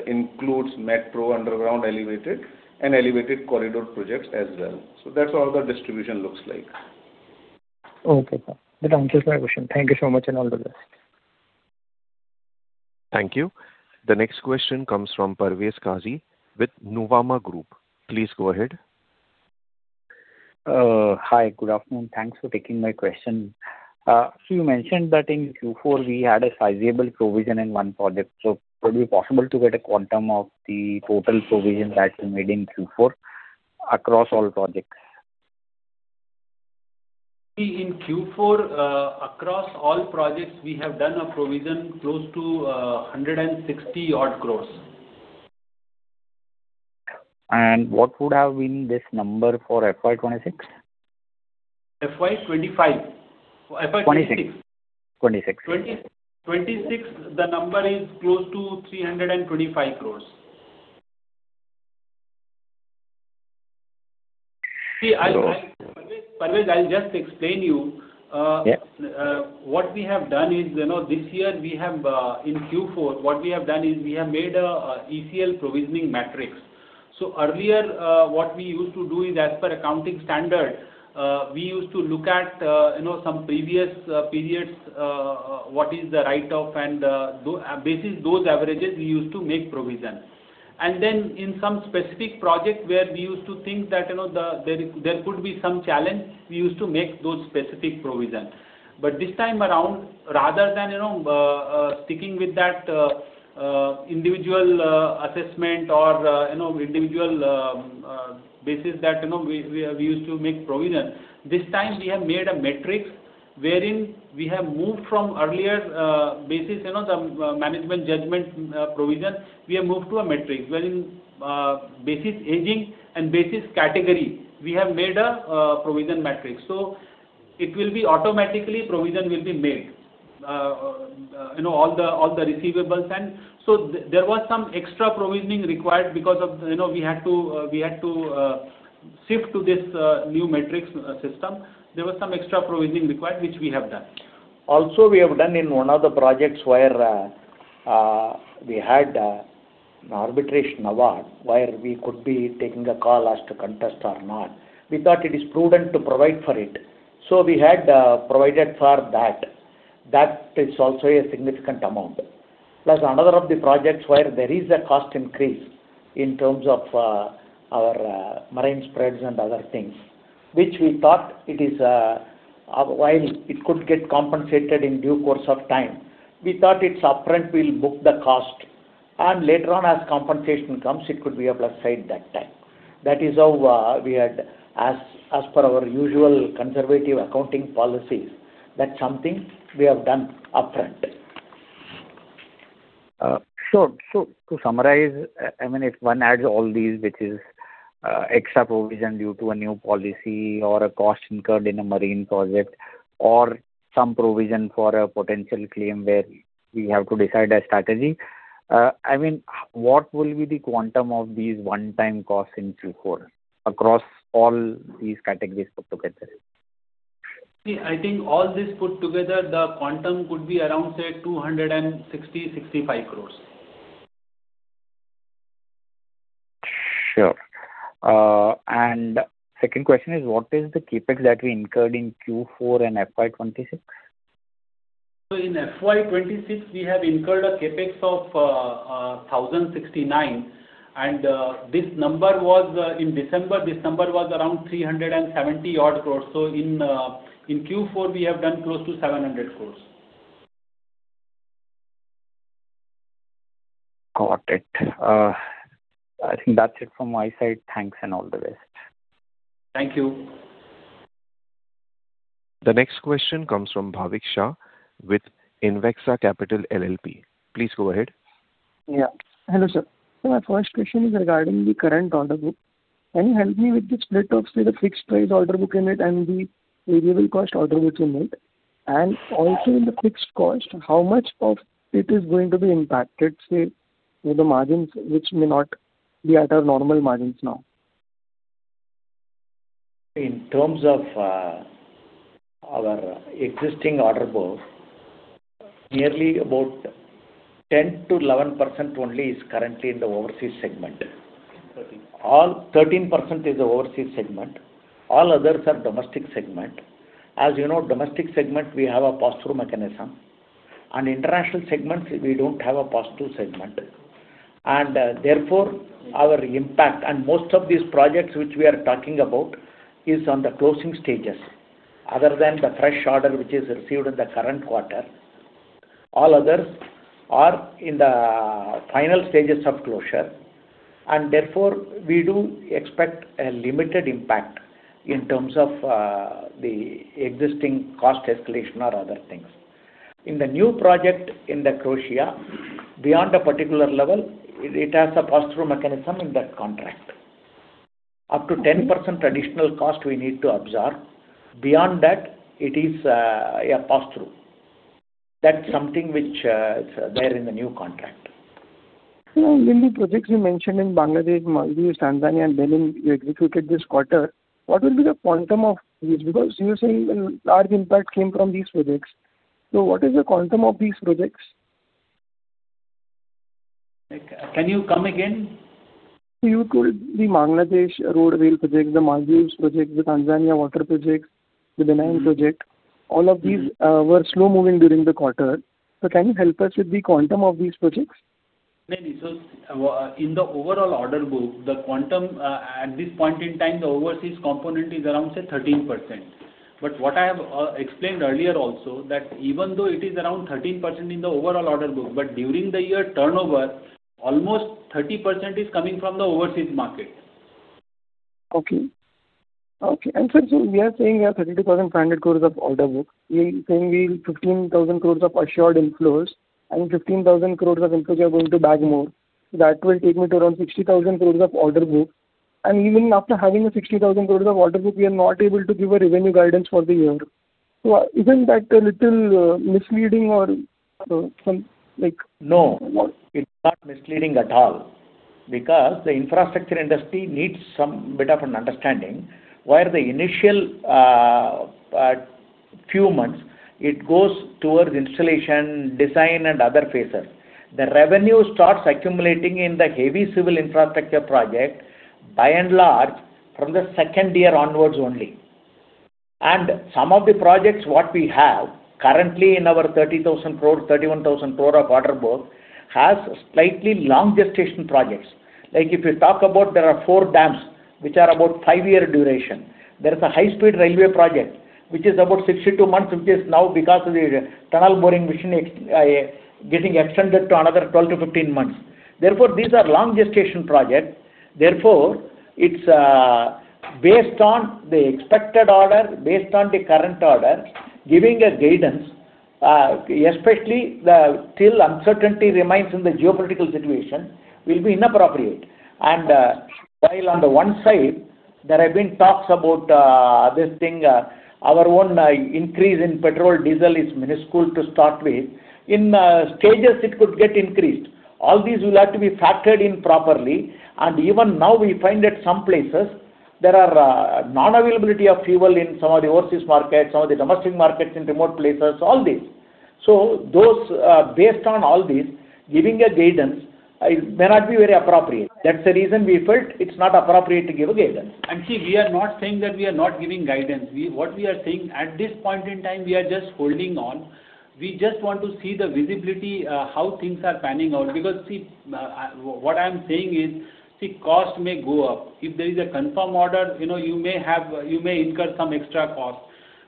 includes metro, underground, elevated, and elevated corridor projects as well. That's how the distribution looks like. Okay. That answers my question. Thank you so much, and all the best. Thank you. The next question comes from Parvez Qazi with Nuvama Group. Please go ahead. Hi. Good afternoon. Thanks for taking my question. You mentioned that in Q4 we had a sizable provision in one project. Would it be possible to get a quantum of the total provision that you made in Q4 across all projects? In Q4, across all projects, we have done a provision close to 160 odd crore. What would have been this number for FY 2026? FY 2025. FY 2026. 2026. 2026, the number is close to 325 crore. See, I Parvez, I'll just explain you. Yeah. What we have done is, you know, this year we have, in Q4, what we have done is we have made a ECL provisioning matrix. Earlier, what we used to do is as per accounting standard, we used to look at, you know, some previous periods, what is the write off and basis those averages we used to make provision. In some specific projects where we used to think that, you know, there could be some challenge, we used to make those specific provision. This time around, rather than, you know, sticking with that individual assessment or, you know, individual basis that, you know, we used to make provision, this time we have made a matrix wherein we have moved from earlier basis, you know, some management judgment provision, we have moved to a matrix wherein basis aging and basis category, we have made a provision matrix. It will be automatically provision will be made. you know, all the receivables and There was some extra provisioning required because of, you know, we had to shift to this new matrix system. There was some extra provisioning required, which we have done. Also, we have done in one of the projects where we had an arbitration award, where we could be taking a call as to contest or not. We thought it is prudent to provide for it. We had provided for that. That is also a significant amount. Plus another of the projects where there is a cost increase in terms of our marine spreads and other things, which we thought it is, while it could get compensated in due course of time, we thought it's upfront, we'll book the cost, and later on as compensation comes, it could be a plus side that time. That is how we had, as per our usual conservative accounting policies, that's something we have done upfront. To summarize, I mean, if one adds all these, which is, extra provision due to a new policy or a cost incurred in a marine project or some provision for a potential claim where we have to decide a strategy, I mean, what will be the quantum of these one-time costs in Q4 across all these categories put together? I think all this put together, the quantum could be around, say, 260 crore-265 crore. Sure. Second question is, what is the CapEx that we incurred in Q4 and FY 2026? In FY 2026, we have incurred a CapEx of 1,069. This number was in December, this number was around 370 odd crore. In Q4, we have done close to 700 crore. Got it. I think that's it from my side. Thanks and all the best. Thank you. The next question comes from Bhavik Shah with Invexa Capital LLP. Please go ahead. Yeah. Hello, sir. My first question is regarding the current order book. Can you help me with the split of, say, the fixed price order book in it and the variable cost order books in it? Also in the fixed cost, how much of it is going to be impacted, say, in the margins which may not be at our normal margins now? In terms of our existing order book, nearly about 10%-11% only is currently in the overseas segment. 13%? 13% is the overseas segment. Others are domestic segment. As you know, domestic segment, we have a pass-through mechanism, international segments, we don't have a pass-through segment. Therefore, our impact, and most of these projects which we are talking about, is on the closing stages. Other than the fresh order which is received in the current quarter. All others are in the final stages of closure, and therefore we do expect a limited impact in terms of the existing cost escalation or other things. In the new project in Croatia, beyond a particular level, it has a pass-through mechanism in that contract. Up to 10% additional cost we need to absorb. Beyond that, it is a pass-through. That's something which is there in the new contract. Sir, in the projects you mentioned in Bangladesh, Maldives, Tanzania, and Benin you executed this quarter, what will be the quantum of these? You're saying a large impact came from these projects. What is the quantum of these projects? Like, can you come again? You quoted the Bangladesh road, rail projects, the Maldives projects, the Tanzania water projects, the Benin project. All of these were slow-moving during the quarter. Can you help us with the quantum of these projects? Maybe. In the overall order book, the quantum, at this point in time, the overseas component is around, say, 13%. What I have explained earlier also, that even though it is around 13% in the overall order book, during the year turnover, almost 30% is coming from the overseas market. Okay. Okay. Sir, we are saying we have 32,500 crore of order book. We are saying we have 15,000 crore of assured inflows and 15,000 crore of inflow we are going to bag more. That will take me to around 60,000 crore of order book. Even after having a 60,000 crore of order book, we are not able to give a revenue guidance for the year. Isn't that a little misleading? No. No. It's not misleading at all because the infrastructure industry needs some bit of an understanding, where the initial few months it goes towards installation, design and other phases. The revenue starts accumulating in the heavy civil infrastructure project by and large from the second year onwards only. Some of the projects what we have currently in our 30,000 crore, 31,000 crore of order book, has slightly long gestation projects. Like if you talk about there are four dams which are about five year duration. There is a high-speed railway project, which is about 62 months, which is now because of the tunnel boring machine getting extended to another 12-15 months. Therefore, these are long gestation project. Therefore, it's based on the expected order, based on the current order, giving a guidance, especially the till uncertainty remains in the geopolitical situation, will be inappropriate. While on the one side there have been talks about this thing, our own increase in petrol, diesel is minuscule to start with. In stages it could get increased. All these will have to be factored in properly. Even now we find that some places there are non-availability of fuel in some of the overseas markets, some of the domestic markets in remote places, all these. Those, based on all these, giving a guidance, may not be very appropriate. That's the reason we felt it's not appropriate to give a guidance. See, we are not saying that we are not giving guidance. What we are saying, at this point in time, we are just holding on. We just want to see the visibility, how things are panning out. See, what I'm saying is, cost may go up. If there is a confirmed order, you know, you may incur some extra costs.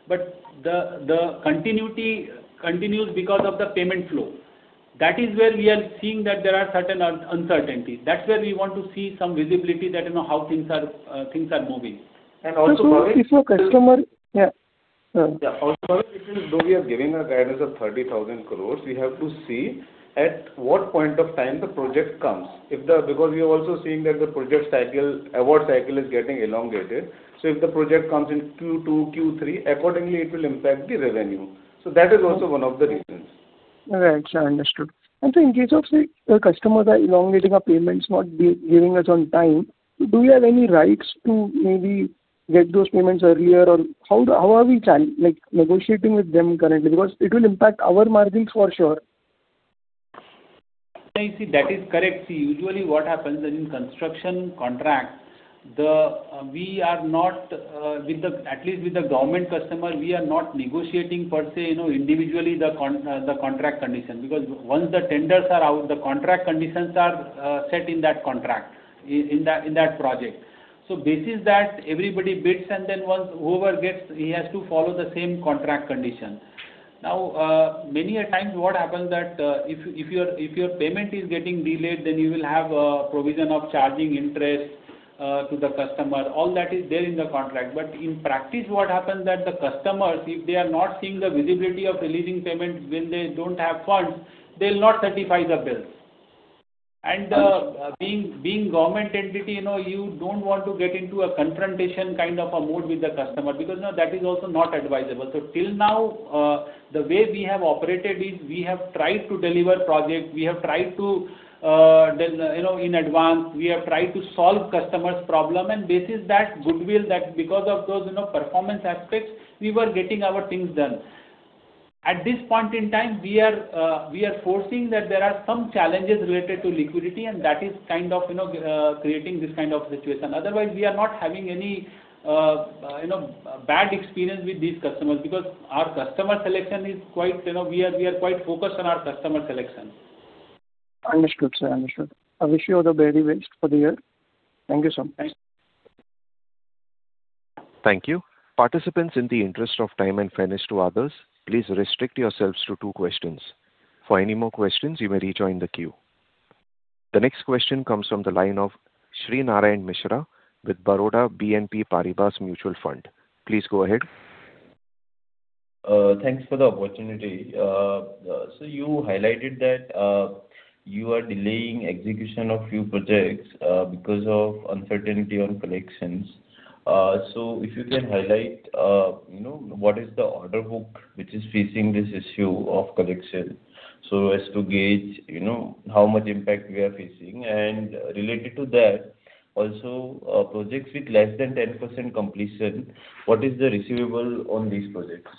The continuity continues because of the payment flow. That is where we are seeing that there are certain uncertainties. That's where we want to see some visibility that, you know, how things are, things are moving. Also, Bhavik. So if a customer Yeah. Yeah. Bhavik, even though we are giving a guidance of 30,000 crore, we have to see at what point of time the project comes. We are also seeing that the project cycle, award cycle is getting elongated. If the project comes in Q2, Q3, accordingly it will impact the revenue. That is also one of the reasons. Right. Understood. In case of, say, the customers are elongating our payments, not giving us on time, do we have any rights to maybe get those payments earlier? How are we negotiating with them currently? Because it will impact our margins for sure. No, you see, that is correct. Usually what happens in construction contract, we are not with the, at least with the government customer, we are not negotiating per se, you know, individually the contract condition. Once the tenders are out, the contract conditions are set in that contract, in that project. Basis that everybody bids and then once whoever gets, he has to follow the same contract condition. Many a times what happens that if your payment is getting delayed, then you will have a provision of charging interest to the customer. All that is there in the contract. In practice, what happens that the customers, if they are not seeing the visibility of releasing payments when they don't have funds, they'll not certify the bills. Being government entity, you know, you don't want to get into a confrontation kind of a mode with the customer because, you know, that is also not advisable. Till now, the way we have operated is we have tried to deliver project, we have tried to, then, you know, in advance, we have tried to solve customers' problem. This is that goodwill that because of those, you know, performance aspects, we were getting our things done. At this point in time, we are foreseeing that there are some challenges related to liquidity, and that is kind of, you know, creating this kind of situation. Otherwise, we are not having any, you know, bad experience with these customers because our customer selection is quite, you know, we are quite focused on our customer selection. Understood, sir. Understood. I wish you all the very best for the year. Thank you so much. Thank you. Participants, in the interest of time and fairness to others, please restrict yourselves to two questions. For any more questions, you may rejoin the queue. The next question comes from the line of Shrinarayan Mishra with Baroda BNP Paribas Mutual Fund. Please go ahead. Thanks for the opportunity. You highlighted that you are delaying execution of few projects because of uncertainty on collections. If you can highlight, you know, what is the order book which is facing this issue of collection, so as to gauge, you know, how much impact we are facing. Related to that also, projects with less than 10% completion, what is the receivable on these projects?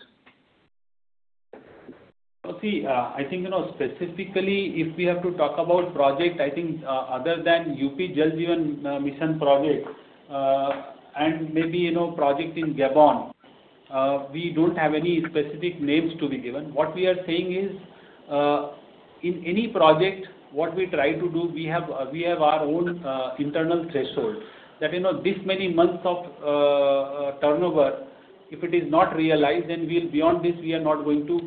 See, I think, you know, specifically if we have to talk about project, I think, other than UP Jal Jeevan Mission project, and maybe, you know, project in Gabon, we don't have any specific names to be given. What we are saying is, in any project, what we try to do, we have our own internal threshold that, you know, this many months of turnover, if it is not realized, then we'll beyond this, we are not going to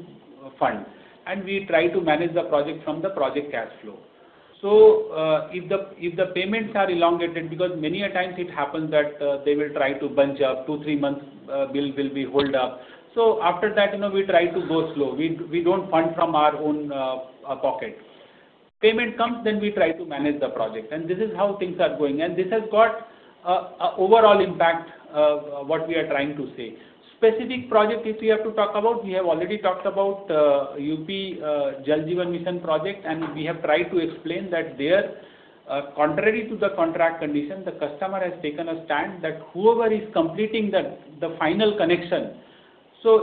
fund. And we try to manage the project from the project cash flow. If the payments are elongated, because many a times it happens that, they will try to bunch up, two, three months' bill will be holed up. After that, you know, we try to go slow. We don't fund from our own pocket. Payment comes, we try to manage the project. This is how things are going. This has got a overall impact, what we are trying to say. Specific project, if we have to talk about, we have already talked about UP, Jal Jeevan Mission project, we have tried to explain that there, contrary to the contract condition, the customer has taken a stand that whoever is completing the final connection.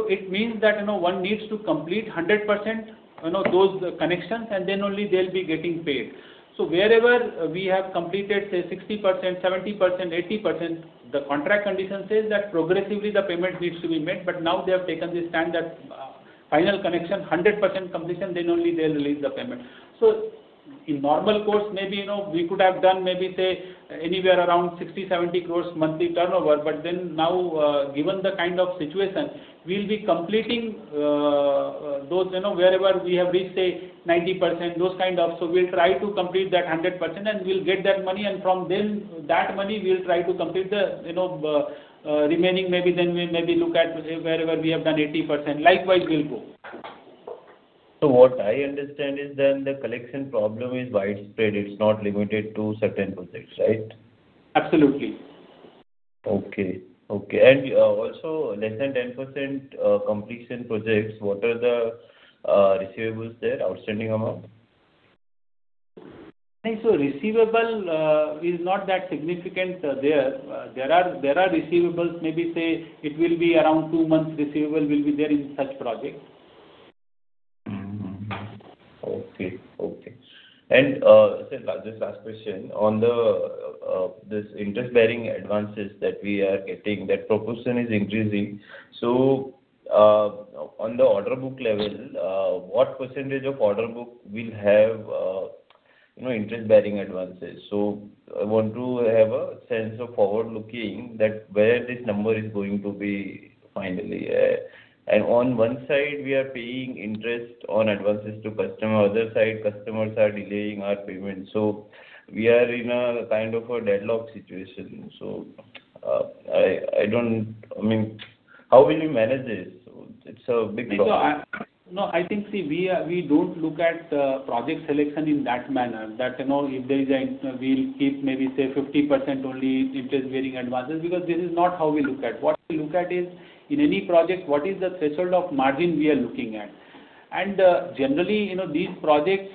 It means that, you know, one needs to complete 100%, you know, those connections, then only they'll be getting paid. Wherever we have completed, say, 60%, 70%, 80%, the contract condition says that progressively the payment needs to be made. Now they have taken the stand that final connection, 100% completion, then only they'll release the payment. In normal course, maybe, you know, we could have done maybe say anywhere around 60 crore-70 crore monthly turnover. Now, given the kind of situation, we'll be completing those, you know, wherever we have reached, say, 90%, those kind of. We'll try to complete that 100%, and we'll get that money. From then, that money we'll try to complete the, you know, remaining, maybe then we maybe look at say wherever we have done 80%. Likewise, we'll go. What I understand is then the collection problem is widespread. It's not limited to certain projects, right? Absolutely. Okay. Okay. Also less than 10% completion projects, what are the receivables there, outstanding amount? I think so receivable is not that significant there. There are receivables, maybe say it will be around two months receivable will be there in such projects. Okay. Okay. Sir, just last question. On the this interest-bearing advances that we are getting, that proportion is increasing. On the order book level, what % of order book will have, you know, interest-bearing advances? I want to have a sense of forward looking that where this number is going to be finally. On one side, we are paying interest on advances to customer, other side, customers are delaying our payment. We are in a kind of a deadlock situation. I don't I mean, how will you manage this? It's a big problem. No, I think, see, we don't look at project selection in that manner that, you know, if there is an we'll keep maybe say 50% only interest-bearing advances because this is not how we look at. What we look at is in any project, what is the threshold of margin we are looking at. Generally, you know, these projects,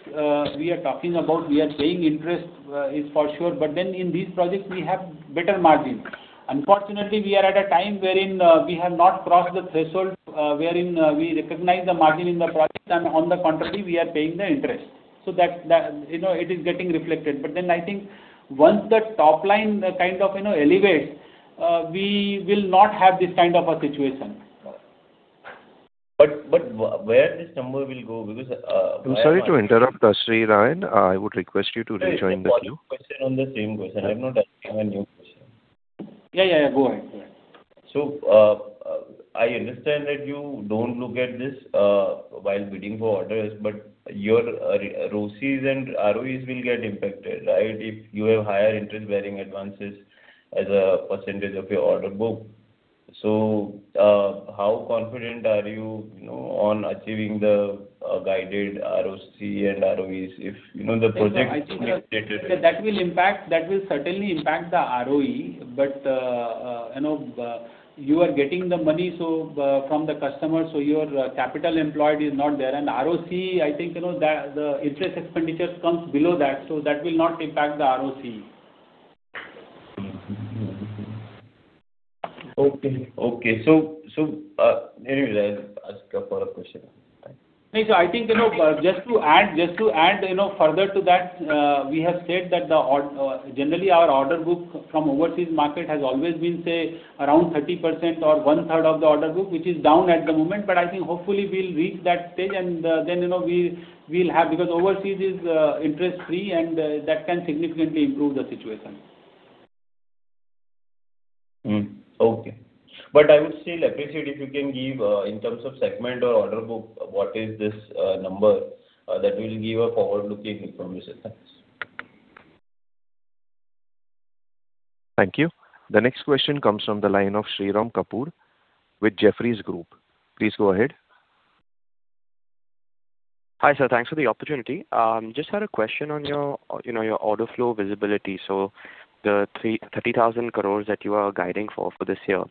we are talking about we are paying interest, is for sure, but then in these projects we have better margin. Unfortunately, we are at a time wherein, we have not crossed the threshold, wherein, we recognize the margin in the project and on the contrary, we are paying the interest. That, you know, it is getting reflected. I think once the top line kind of, you know, elevates, we will not have this kind of a situation. Where this number will go? I'm sorry to interrupt, Shrinarayan. I would request you to rejoin the queue. Sorry, it's a follow-up question on the same question. I've not asked even a new question. Yeah, Go ahead. I understand that you don't look at this while bidding for orders, but your ROCEs and ROEs will get impacted, right? If you have higher interest-bearing advances as a percentage of your order book. How confident are you know, on achieving the guided ROCE and ROEs if, you know, the project- That will certainly impact the ROE. You know, you are getting the money, so from the customer, so your capital employed is not there. ROCE, I think, you know, the interest expenditures comes below that, so that will not impact the ROCE. Okay. Anyway, I'll ask a follow-up question. I think, you know, just to add, you know, further to that, we have said that generally our order book from overseas market has always been, say, around 30% or 1/3 of the order book, which is down at the moment. I think hopefully we'll reach that stage and, you know, we'll have. Overseas is interest-free and that can significantly improve the situation. Okay. I would still appreciate if you can give in terms of segment or order book, what is this number that will give a forward-looking information. Thanks. Thank you. The next question comes from the line of Shirom Kapur with Jefferies Group. Please go ahead. Hi, sir. Thanks for the opportunity. Just had a question on your, you know, your order flow visibility, the 30,000 crore that you are guiding for this year.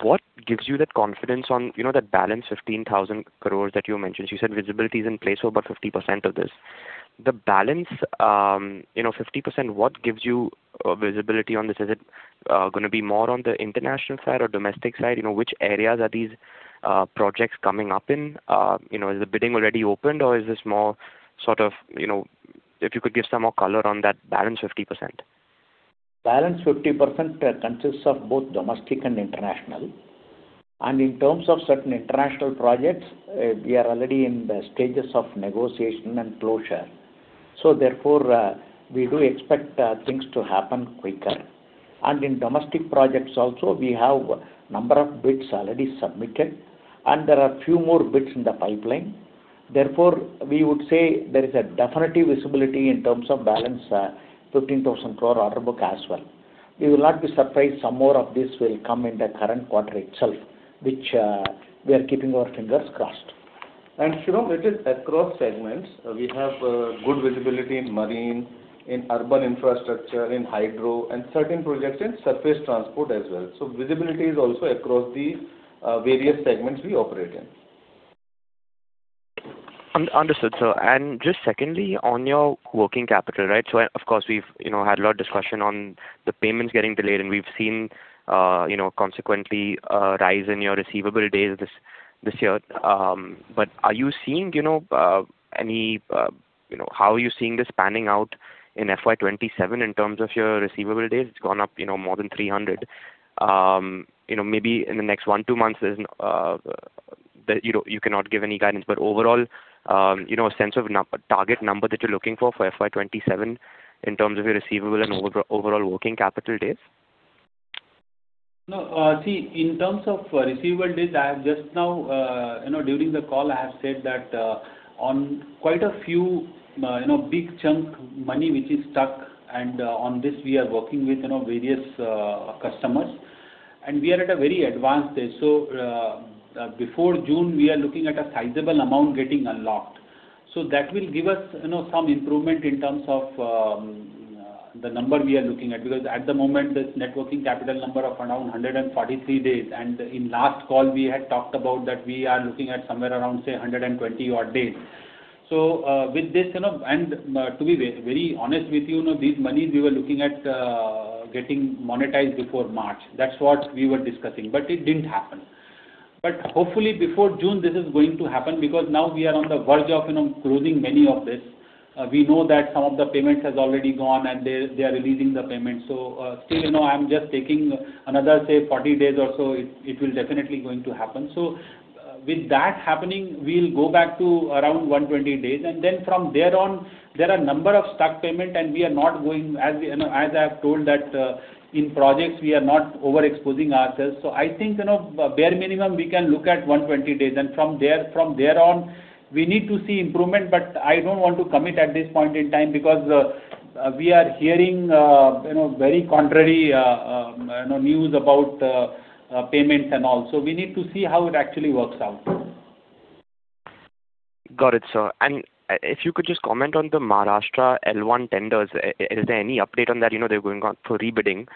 What gives you that confidence on, you know, that balance 15,000 crore that you mentioned? You said visibility is in place for about 50% of this. The balance, you know, 50%, what gives you visibility on this? Is it gonna be more on the international side or domestic side? You know, which areas are these projects coming up in? You know, is the bidding already opened or is this more sort of, you know If you could give some more color on that balance 50%. Balance 50% consists of both domestic and international. In terms of certain international projects, we are already in the stages of negotiation and closure. We do expect things to happen quicker. In domestic projects also, we have number of bids already submitted, and there are few more bids in the pipeline. We would say there is a definitive visibility in terms of balance, 15,000 crore order book as well. You will not be surprised some more of this will come in the current quarter itself, which we are keeping our fingers crossed. Shirom, it is across segments. We have good visibility in marine, in urban infrastructure, in hydro, and certain projects in surface transport as well. Visibility is also across the various segments we operate in. Un-understood, sir. Just secondly, on your working capital, right? Of course we've, you know, had a lot of discussion on the payments getting delayed, and we've seen, you know, consequently a rise in your receivable days this year. Are you seeing, you know, any, you know, how are you seeing this panning out in FY 2027 in terms of your receivable days? It's gone up, you know, more than 300. You know, maybe in the next one, two months there's that you don't, you cannot give any guidance. Overall, you know, a sense of target number that you're looking for for FY 2027 in terms of your receivable and overall working capital days. See, in terms of receivable days, I have just now, you know, during the call I have said that, on quite a few, you know, big chunk money which is stuck and, on this we are working with, you know, various customers. We are at a very advanced stage. Before June, we are looking at a sizable amount getting unlocked. That will give us, you know, some improvement in terms of the number we are looking at. At the moment this net working capital number of around 143 days, and in last call we had talked about that we are looking at somewhere around, say, 120 odd days. With this, you know, and to be very honest with you know, these monies we were looking at getting monetized before March. That's what we were discussing, but it didn't happen. Hopefully before June this is going to happen because now we are on the verge of, you know, closing many of this. We know that some of the payments has already gone and they are releasing the payments. Still, you know, I'm just taking another, say, 40 days or so, it will definitely going to happen. With that happening, we'll go back to around 120 days. Then from there on, there are number of stuck payment and we are not going, as we, you know, as I have told that, in projects we are not overexposing ourselves. I think, you know, bare minimum we can look at 120 days. From there on, we need to see improvement, but I don't want to commit at this point in time because we are hearing, you know, very contrary, you know, news about payments and all. We need to see how it actually works out. Got it, sir. If you could just comment on the Maharashtra L1 tenders. Is there any update on that? You know, they're going out for rebidding.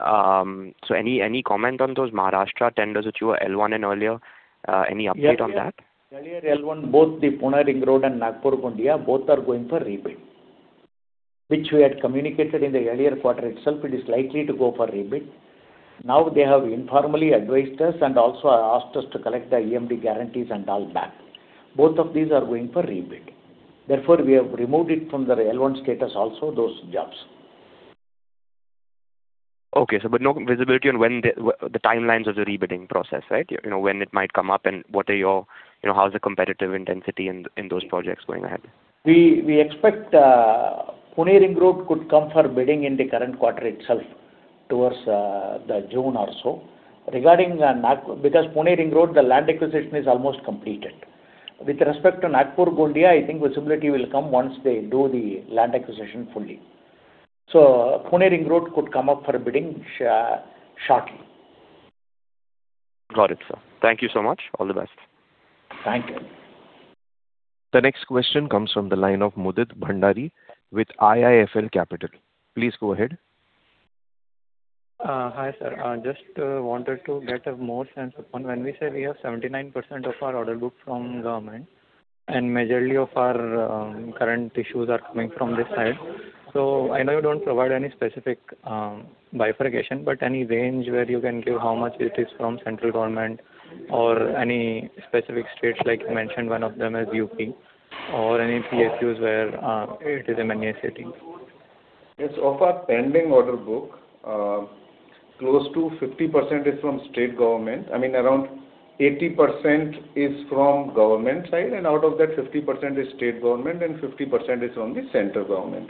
Any comment on those Maharashtra tenders which were L1 in earlier? Any update on that? Yeah, yeah. Earlier L1, both the Pune Ring Road and Nagpur-Gondia, both are going for rebid, which we had communicated in the earlier quarter itself, it is likely to go for rebid. Now they have informally advised us and also asked us to collect the EMD guarantees and all back. Both of these are going for rebid. Therefore, we have removed it from the L1 status also, those jobs. Okay. No visibility on when the timelines of the rebidding process, right? You know, when it might come up and what are your, you know, how is the competitive intensity in those projects going ahead? We expect Pune Ring Road could come for bidding in the current quarter itself, towards the June or so. Pune Ring Road, the land acquisition is almost completed. With respect to Nagpur-Gondia, I think visibility will come once they do the land acquisition fully. Pune Ring Road could come up for bidding shortly. Got it, sir. Thank you so much. All the best. Thank you. The next question comes from the line of Mudit Bhandari with IIFL Capital. Please go ahead. Hi, sir. I just wanted to get a more sense upon when we say we have 79% of our order book from government. Majorly of our current issues are coming from this side. I know you don't provide any specific bifurcation, but any range where you can give how much it is from central government or any specific states, like you mentioned one of them is UP or any PSUs where it is a MSME. It's of our pending order book. Close to 50% is from state government. I mean, around 80% is from government side, and out of that, 50% is state government and 50% is from the central government.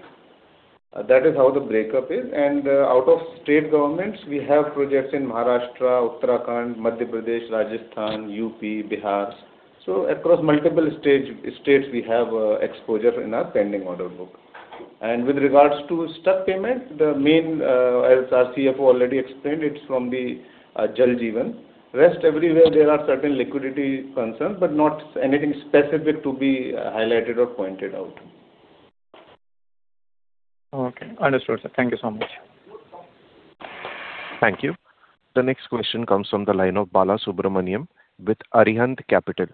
That is how the breakup is. Out of state governments, we have projects in Maharashtra, Uttarakhand, Madhya Pradesh, Rajasthan, UP, Bihar. Across multiple states we have exposure in our pending order book. With regards to stuck payment, the main, as our CFO already explained, it's from the Jal Jeevan. Rest everywhere there are certain liquidity concerns, but not anything specific to be highlighted or pointed out. Okay. Understood, sir. Thank you so much. Thank you. The next question comes from the line of Balasubramanian with Arihant Capital.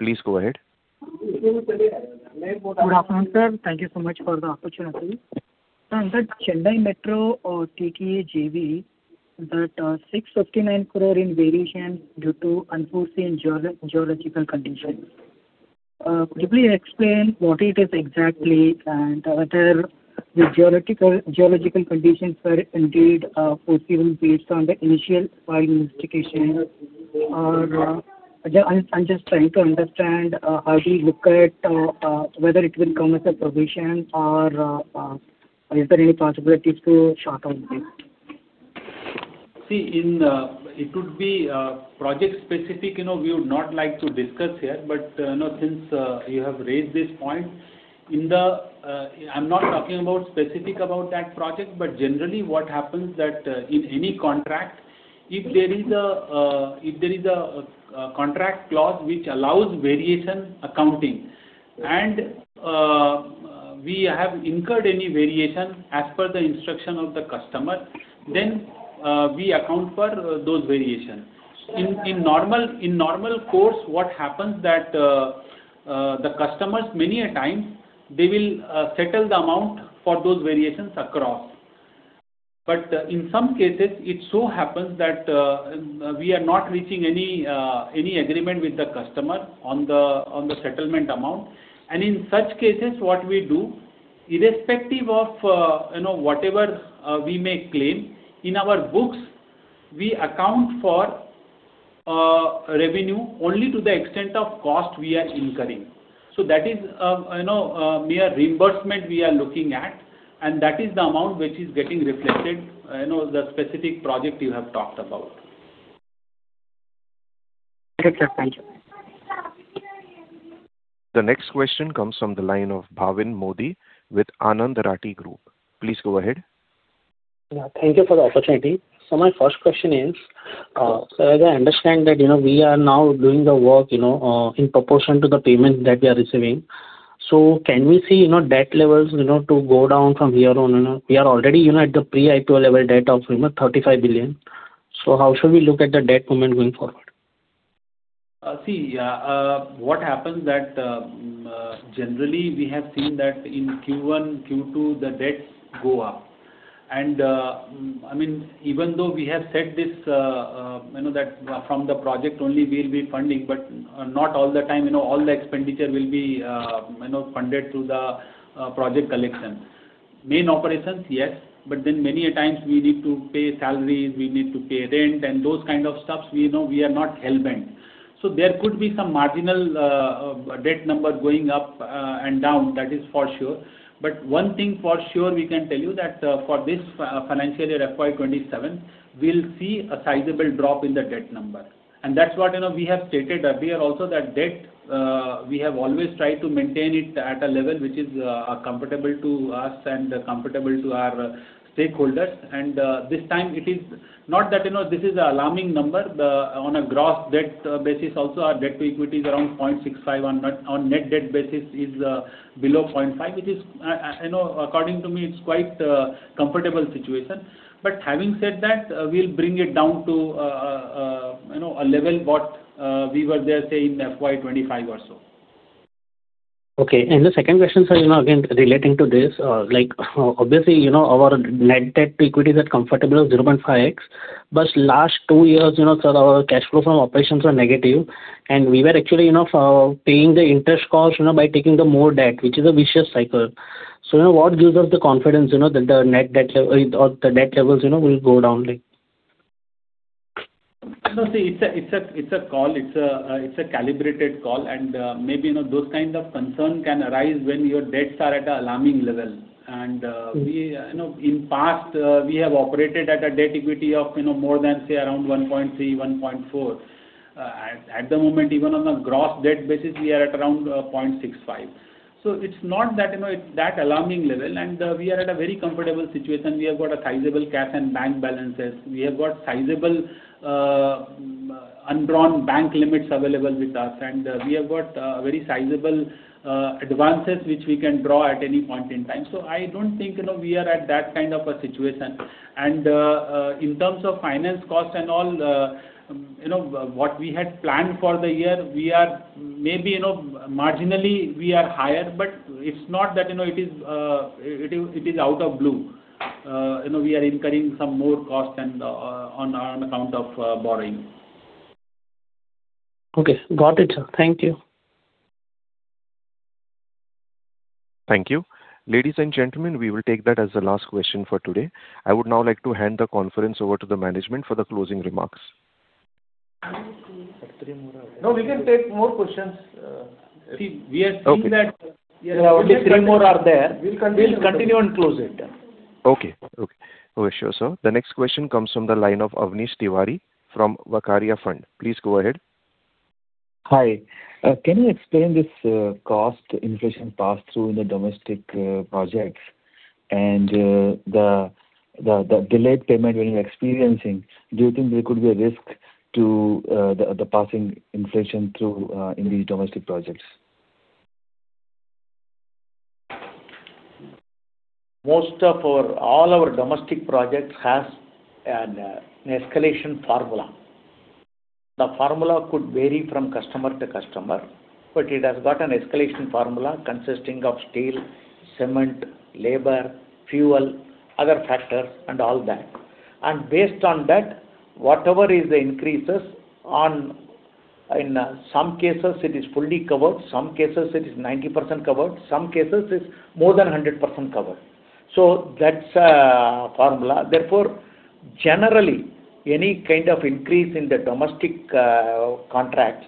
Please go ahead. Good afternoon, sir. Thank you so much for the opportunity. Sir, under Chennai Metro or TTA JV, that, 659 crore in variation due to unforeseen geological conditions. Could you please explain what it is exactly and whether the geological conditions were indeed foreseen based on the initial final investigation? I'm just trying to understand how do you look at whether it will come as a provision or is there any possibility to sort out this? See, in, it would be project specific, you know, we would not like to discuss here. You know, since you have raised this point, in the, I'm not talking about specific about that project, but generally what happens that, in any contract, if there is a contract clause which allows variation accounting and we have incurred any variation as per the instruction of the customer, then we account for those variations. In normal course, what happens that the customers many a times, they will settle the amount for those variations across. In some cases, it so happens that we are not reaching any agreement with the customer on the settlement amount. In such cases, what we do, irrespective of, you know, whatever, we may claim, in our books, we account for, revenue only to the extent of cost we are incurring. That is, you know, mere reimbursement we are looking at, and that is the amount which is getting reflected, you know, the specific project you have talked about. Okay, sir. Thank you. The next question comes from the line of Bhavin Modi with Anand Rathi Group. Please go ahead. Yeah, thank you for the opportunity. My first question is, as I understand that, you know, we are now doing the work, you know, in proportion to the payment that we are receiving. Can we see, you know, debt levels, you know, to go down from here on, you know? We are already, you know, at the pre-IPO level debt of, you know, 35 billion. How should we look at the debt movement going forward? See, what happens that, generally we have seen that in Q1, Q2, the debts go up. I mean, even though we have said this, you know, that from the project only we'll be funding, but not all the time, you know, all the expenditure will be, you know, funded through the project collection. Main operations, yes. Many a times we need to pay salaries, we need to pay rent and those kind of stuffs, you know, we are not hell-bent. There could be some marginal debt number going up and down, that is for sure. One thing for sure we can tell you that, for this financial year, FY 2027, we'll see a sizable drop in the debt number. That's what, you know, we have stated earlier also that debt, we have always tried to maintain it at a level which is comfortable to us and comfortable to our stakeholders. This time it is not that, you know, this is a alarming number. On a gross debt basis also, our debt to equity is around 0.65x. On net debt basis is below 0.5x, which is, you know, according to me, it's quite a comfortable situation. Having said that, we'll bring it down to, you know, a level what we were there, say, in FY 2025 or so. Okay. The second question, sir, you know, again relating to this, like obviously, you know, our net debt to equity is at comfortable 0.5x. Last two years, you know, sir, our cash flow from operations were negative, and we were actually, you know, paying the interest cost, you know, by taking the more debt, which is a vicious cycle. You know, what gives us the confidence, you know, that the net debt level or the debt levels, you know, will go down like? You know, see, it's a call. It's a calibrated call. Maybe, you know, those kind of concern can arise when your debts are at an alarming level. We, you know, in past, we have operated at a debt equity of, you know, more than, say, around 1.3x, 1.4x. At the moment, even on a gross debt basis, we are at around 0.65x. It's not that, you know, it's that alarming level, and we are at a very comfortable situation. We have got a sizable cash and bank balances. We have got sizable undrawn bank limits available with us, and we have got very sizable advances which we can draw at any point in time. I don't think, you know, we are at that kind of a situation. In terms of finance cost and all, you know, what we had planned for the year, we are maybe, you know, marginally we are higher, but it's not that, you know, it is out of blue. You know, we are incurring some more cost and, on account of, borrowing. Okay. Got it, sir. Thank you. Thank you. Ladies and gentlemen, we will take that as the last question for today. I would now like to hand the conference over to the management for the closing remarks. No, we can take more questions. Okay. Only three more are there. We'll continue. We'll continue and close it. Okay. Sure, sir. The next question comes from the line of Avnish Tiwari from Vaikarya Fund. Please go ahead. Hi. Can you explain this cost inflation pass-through in the domestic projects and the delayed payment we're experiencing? Do you think there could be a risk to the passing inflation through in these domestic projects? All our domestic projects has an escalation formula. The formula could vary from customer to customer, but it has got an escalation formula consisting of steel, cement, labor, fuel, other factors and all that. Based on that, whatever is the increases on, in, some cases it is fully covered, some cases it is 90% covered, some cases it's more than 100% covered. That's formula. Therefore, generally, any kind of increase in the domestic contracts,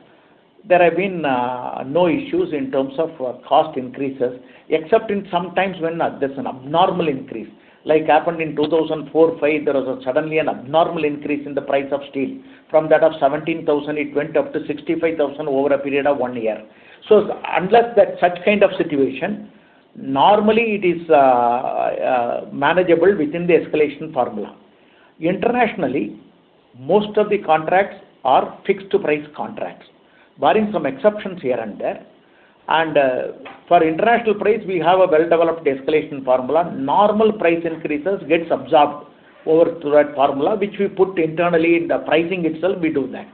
there have been no issues in terms of cost increases, except in some times when there's an abnormal increase, like happened in 2004, 2005, there was a suddenly an abnormal increase in the price of steel. From that of 17,000, it went up to 65,000 over a period of one year. Unless that such kind of situation, normally it is manageable within the escalation formula. Internationally, most of the contracts are fixed price contracts, barring some exceptions here and there. For international price, we have a well-developed escalation formula. Normal price increases gets absorbed over through that formula, which we put internally in the pricing itself, we do that.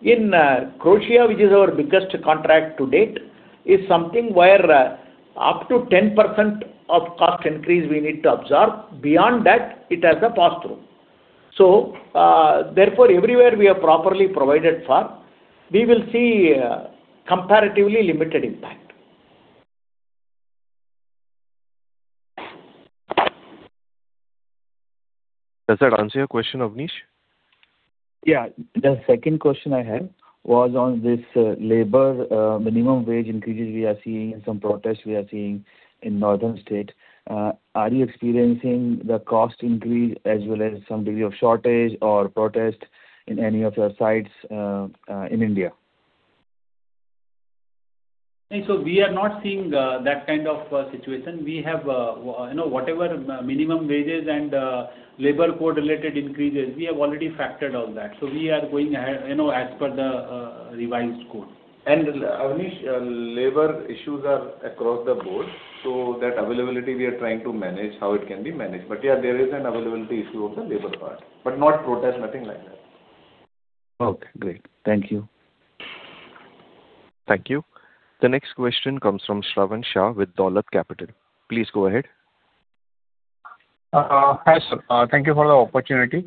In Croatia, which is our biggest contract to date, is something where up to 10% of cost increase we need to absorb. Beyond that, it has a pass-through. Therefore everywhere we have properly provided for, we will see comparatively limited impact. Does that answer your question, Avnish? The second question I had was on this, labor, minimum wage increases we are seeing and some protests we are seeing in northern states. Are you experiencing the cost increase as well as some degree of shortage or protest in any of your sites in India? We are not seeing that kind of a situation. We have, you know, whatever minimum wages and labor code related increases, we have already factored all that. We are going, you know, as per the revised code. Avnish, labor issues are across the board, so that availability we are trying to manage how it can be managed. Yeah, there is an availability issue of the labor part, but not protest, nothing like that. Okay, great. Thank you. Thank you. The next question comes from Shravan Shah with Dolat Capital. Please go ahead. Hi, sir. Thank you for the opportunity.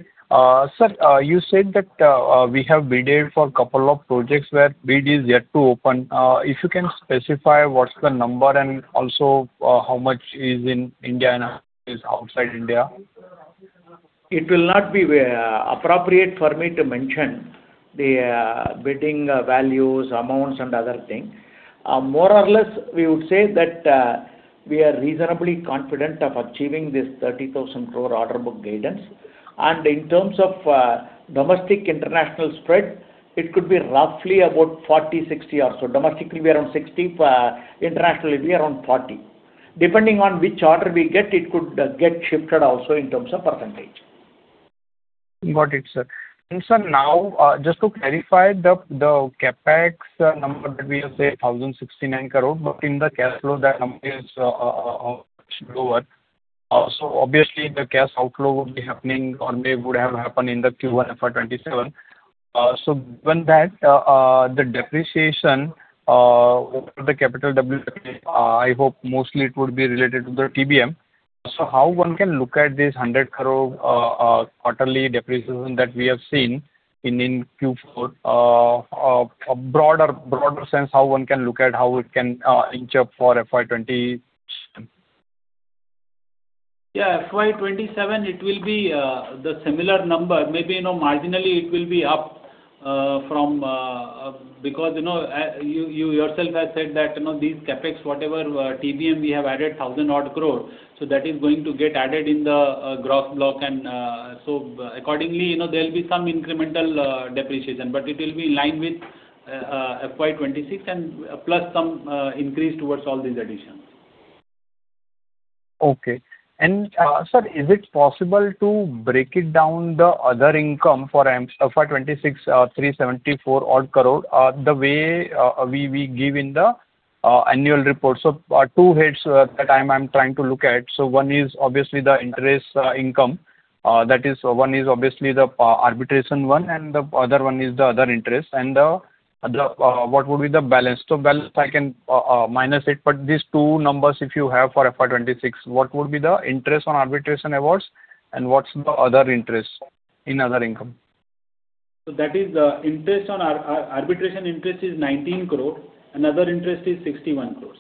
Sir, you said that we have bidded for a couple of projects where bid is yet to open. If you can specify what's the number and also, how much is in India and is outside India. It will not be appropriate for me to mention the bidding values, amounts and other thing. More or less, we would say that we are reasonably confident of achieving this 30,000 crore order book guidance. In terms of domestic-international spread, it could be roughly about 40, 60 or so. Domestically, we're around 60. For international, it'll be around 40. Depending on which order we get, it could get shifted also in terms of percentage. Got it, sir. Sir, now, just to clarify the CapEx number that we have said, 1,069 crore, but in the cash flow that number is much lower. Obviously the cash outflow would be happening or may would have happened in the Q1 FY 2027. Given that the depreciation over the capital [WIP], I hope mostly it would be related to the TBM. How one can look at this 100 crore quarterly depreciation that we have seen in Q4? A broader sense, how one can look at how it can inch up for FY 2027? Yeah, FY 2027 it will be the similar number. Maybe, you know, marginally it will be up from, because, you know, you yourself have said that, you know, these CapEx, whatever, TBM we have added 1,000 crore, so that is going to get added in the gross block. Accordingly, you know, there will be some incremental depreciation, but it will be in line with FY 2026 and plus some increase towards all these additions. Okay. Sir, is it possible to break it down the other income for FY 2026, 374 odd crore, the way we give in the annual report? Two heads that I'm trying to look at. One is obviously the interest income. That is one is obviously the arbitration one, and the other one is the other interest. What would be the balance? Balance I can minus it, but these two numbers if you have for FY 2026, what would be the interest on arbitration awards, and what's the other interest in other income? That is, interest on arbitration interest is 19 crore, and other interest is 61 crore.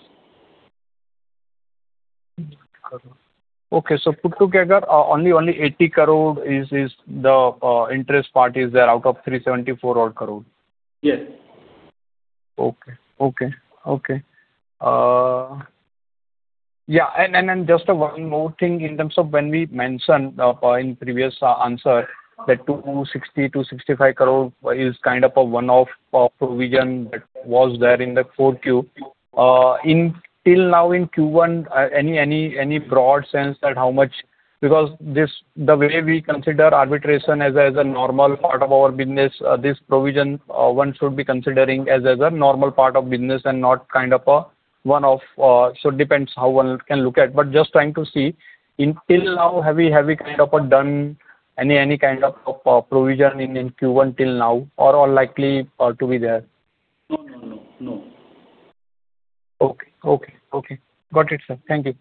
Okay. put together, only 80 crore is the interest part is there out of 374 odd crore? Yes. Okay. Okay. Okay. Yeah, just one more thing in terms of when we mentioned in previous answer that 260 crore-265 crore is kind of a one-off provision that was there in the 4Q. Till now in Q1, any broad sense that how much? This, the way we consider arbitration as a normal part of our business, this provision one should be considering as a normal part of business and not kind of a one-off. Depends how one can look at, but just trying to see. Till now, have we kind of done any kind of provision in Q1 till now or likely to be there? No, no. No. Okay. Okay. Okay. Got it, sir. Thank you.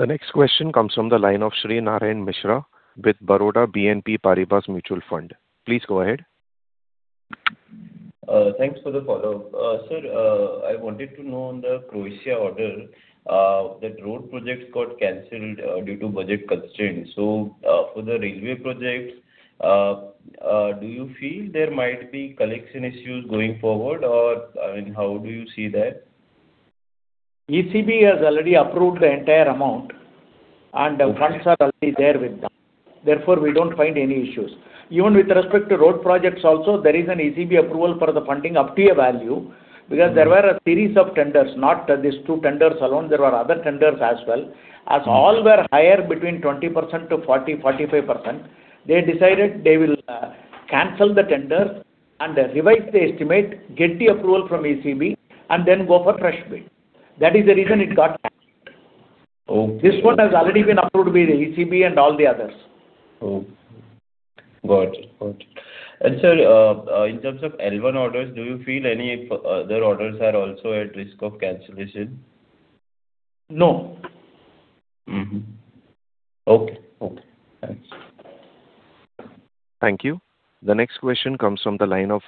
Thank you. The next question comes from the line of Shrinarayan Mishra with Baroda BNP Paribas Mutual Fund. Please go ahead. Thanks for the follow-up. Sir, I wanted to know on the Croatia order, that road projects got canceled, due to budget constraints. For the railway projects, do you feel there might be collection issues going forward, or, I mean, how do you see that? ECB has already approved the entire amount- Okay. The funds are already there with them. Therefore, we don't find any issues. Even with respect to road projects also, there is an ECB approval for the funding up to a value because there were a series of tenders, not these two tenders alone. There were other tenders as well. All were higher between 20% to 40%-45%, they decided they will cancel the tender and revise the estimate, get the approval from ECB, and then go for fresh bid. That is the reason it got canceled. Okay. This one has already been approved with ECB and all the others. Okay. Got it. Got it. Sir, in terms of L1 orders, do you feel any other orders are also at risk of cancellation? No. Mm-hmm. Okay. Okay. Thanks. Thank you. The next question comes from the line of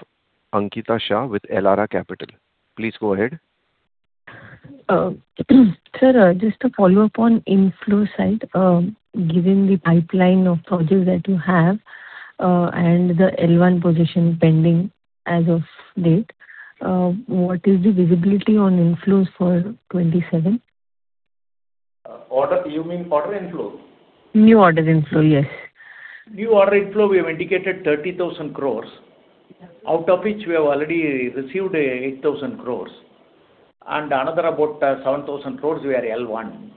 Ankita Shah with Elara Capital. Please go ahead. Sir, just a follow-up on inflow side. Given the pipeline of projects that you have, and the L1 position pending as of date, what is the visibility on inflows for 2027? Order, you mean order inflow? New orders inflow, yes. New order inflow, we have indicated 30,000 crore. Yes. Out of which we have already received, 8,000 crore. Another about 7,000 crore, we are L1.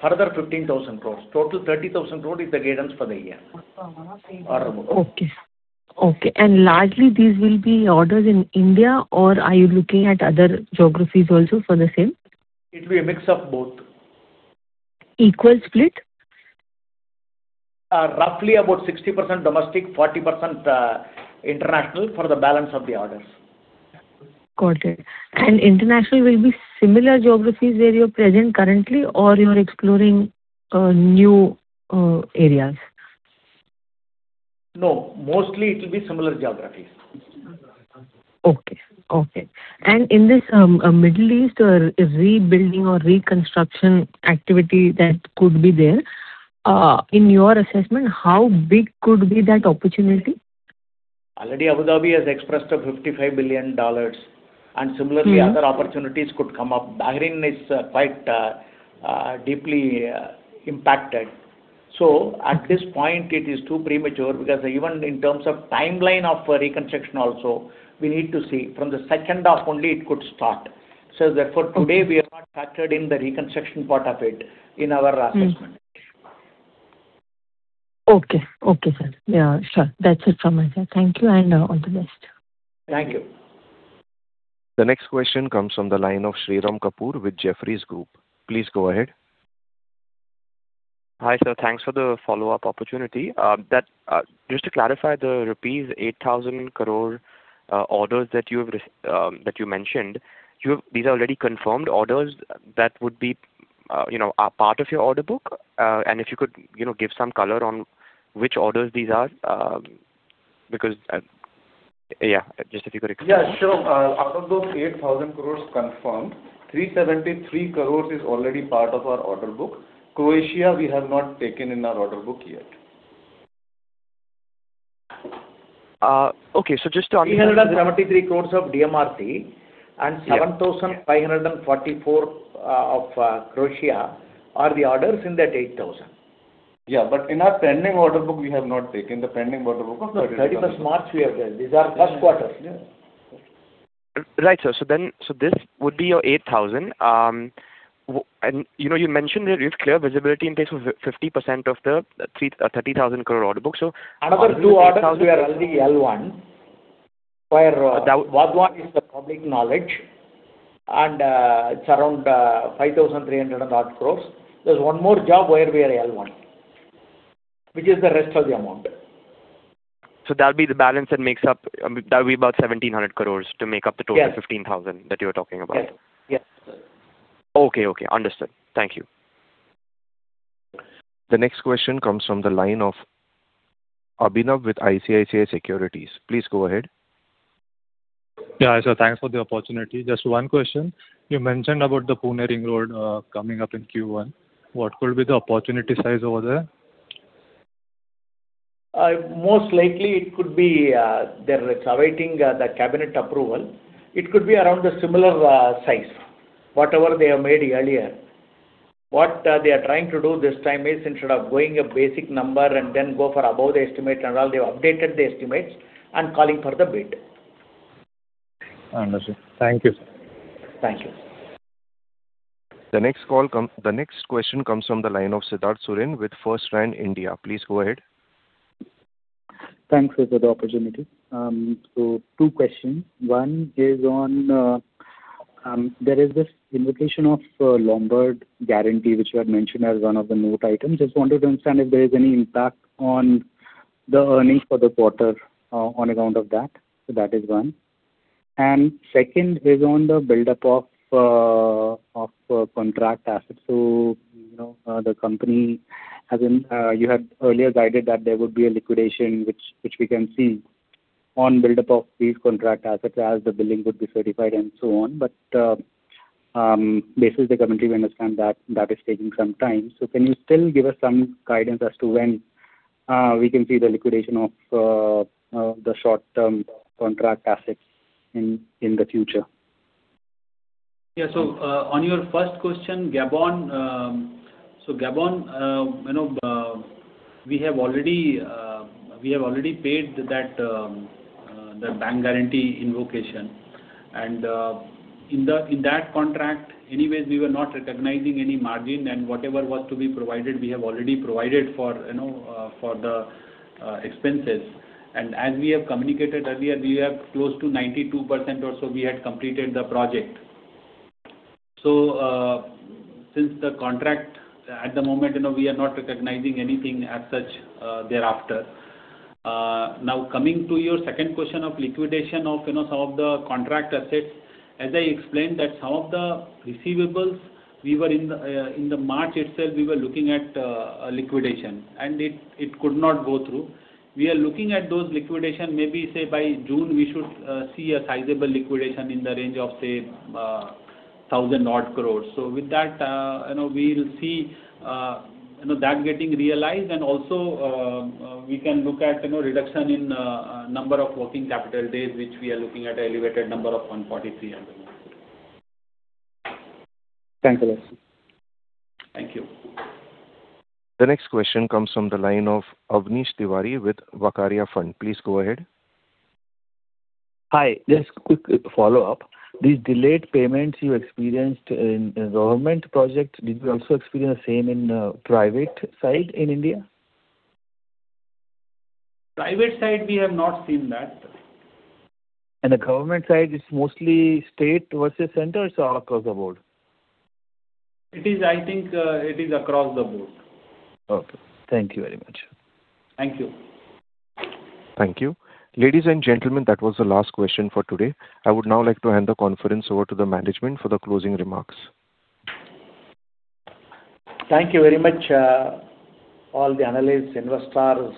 Further 15,000 crore. Total 30,000 crore is the guidance for the year. Okay. Order book. Okay. Okay. Largely these will be orders in India, or are you looking at other geographies also for the same? It will be a mix of both. Equal split? Roughly about 60% domestic, 40% international for the balance of the orders. Got it. International will be similar geographies where you're present currently or you're exploring new areas? No, mostly it will be similar geographies. Okay. Okay. In this, Middle East, rebuilding or reconstruction activity that could be there, in your assessment, how big could be that opportunity? Already Abu Dhabi has expressed $55 billion. Similarly, other opportunities could come up. Bahrain is quite deeply impacted. At this point it is too premature because even in terms of timeline of reconstruction also, we need to see. From the second half only it could start. Therefore today we have not factored in the reconstruction part of it in our assessment. Okay. Okay, sir. Yeah, sure. That's it from my side. Thank you, and all the best. Thank you. The next question comes from the line of Shirom Kapur with Jefferies Group. Please go ahead. Hi, sir. Thanks for the follow-up opportunity. That, just to clarify the rupees 8,000 crore orders that you mentioned, these are already confirmed orders that would be, you know, a part of your order book? If you could, you know, give some color on which orders these are. Yeah, just if you could- Yeah, sure. Out of those 8,000 crore confirmed, 373 crore is already part of our order book. Croatia, we have not taken in our order book yet. Okay. 373 crore of DMRC and 7,544 of Croatia are the orders in that 8,000. Yeah, but in our pending order book, we have not taken the pending order book of 30-. No, March 31st we have taken. These are first quarter. Yeah. Right, sir. This would be your 8,000. And, you know, you mentioned that you have clear visibility in place of 50% of the 30,000 crore order book. Another two orders we are already L1, where Vadhavan is the public knowledge, it's around 5,300 odd crore. There's one more job where we are L1, which is the rest of the amount. That'll be the balance that makes up, that'll be about 1,700 crore to make up the total. Yes. 15,000 that you're talking about. Yes. Yes, sir. Okay. Okay. Understood. Thank you. The next question comes from the line of Abhinav with ICICI Securities. Please go ahead. Yeah, sir. Thanks for the opportunity. Just one question. You mentioned about the Pune Ring Road coming up in Q1. What could be the opportunity size over there? Most likely it could be, there it's awaiting the cabinet approval. It could be around a similar size. Whatever they have made earlier. What they are trying to do this time is instead of going a basic number and then go for above the estimate and all, they've updated the estimates and calling for the bid. Understood. Thank you, sir. Thank you. The next question comes from the line of [Siddharth Surin] with FirstRand India. Please go ahead. Thanks for the opportunity. Two questions. One is on there is this invocation of Lombard guarantee, which you had mentioned as one of the note items. Just wanted to understand if there is any impact on the earnings for the quarter on account of that. That is one. Second is on the buildup of contract assets. You know, the company has been, you had earlier guided that there would be a liquidation which we can see on buildup of these contract assets as the billing would be certified and so on. Basis the commentary we understand that that is taking some time. Can you still give us some guidance as to when we can see the liquidation of the short-term contract assets in the future? On your first question, Gabon, you know, we have already paid that the bank guarantee invocation. In that contract, anyways we were not recognizing any margin, and whatever was to be provided, we have already provided for, you know, for the expenses. As we have communicated earlier, we have close to 92% or so we had completed the project. Since the contract at the moment, you know, we are not recognizing anything as such thereafter. Now coming to your second question of liquidation of, you know, some of the contract assets, as I explained that some of the receivables we were in the March itself, we were looking at liquidation, and it could not go through. We are looking at those liquidation maybe, say, by June, we should see a sizable liquidation in the range of, say, 1,000 odd crore. With that, you know, we'll see, you know, that getting realized and also, we can look at, you know, reduction in number of working capital days, which we are looking at a elevated number of 140-300. Thank you very much. Thank you. The next question comes from the line of Avnish Tiwari with Vaikarya Fund. Please go ahead. Hi. Just quick follow-up. These delayed payments you experienced in government projects, did you also experience the same in private side in India? Private side, we have not seen that. The government side is mostly state versus center, it's all across the board? It is, I think, it is across the board. Okay. Thank you very much. Thank you. Thank you. Ladies and gentlemen, that was the last question for today. I would now like to hand the conference over to the management for the closing remarks. Thank you very much, all the analysts, investors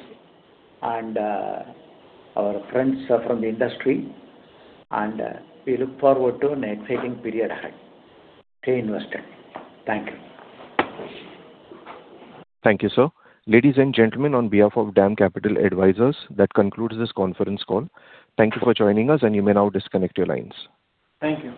and our friends from the industry, and we look forward to an exciting period ahead. Stay invested. Thank you. Thank you, sir. Ladies and gentlemen, on behalf of DAM Capital Advisors, that concludes this conference call. Thank you for joining us, and you may now disconnect your lines. Thank you.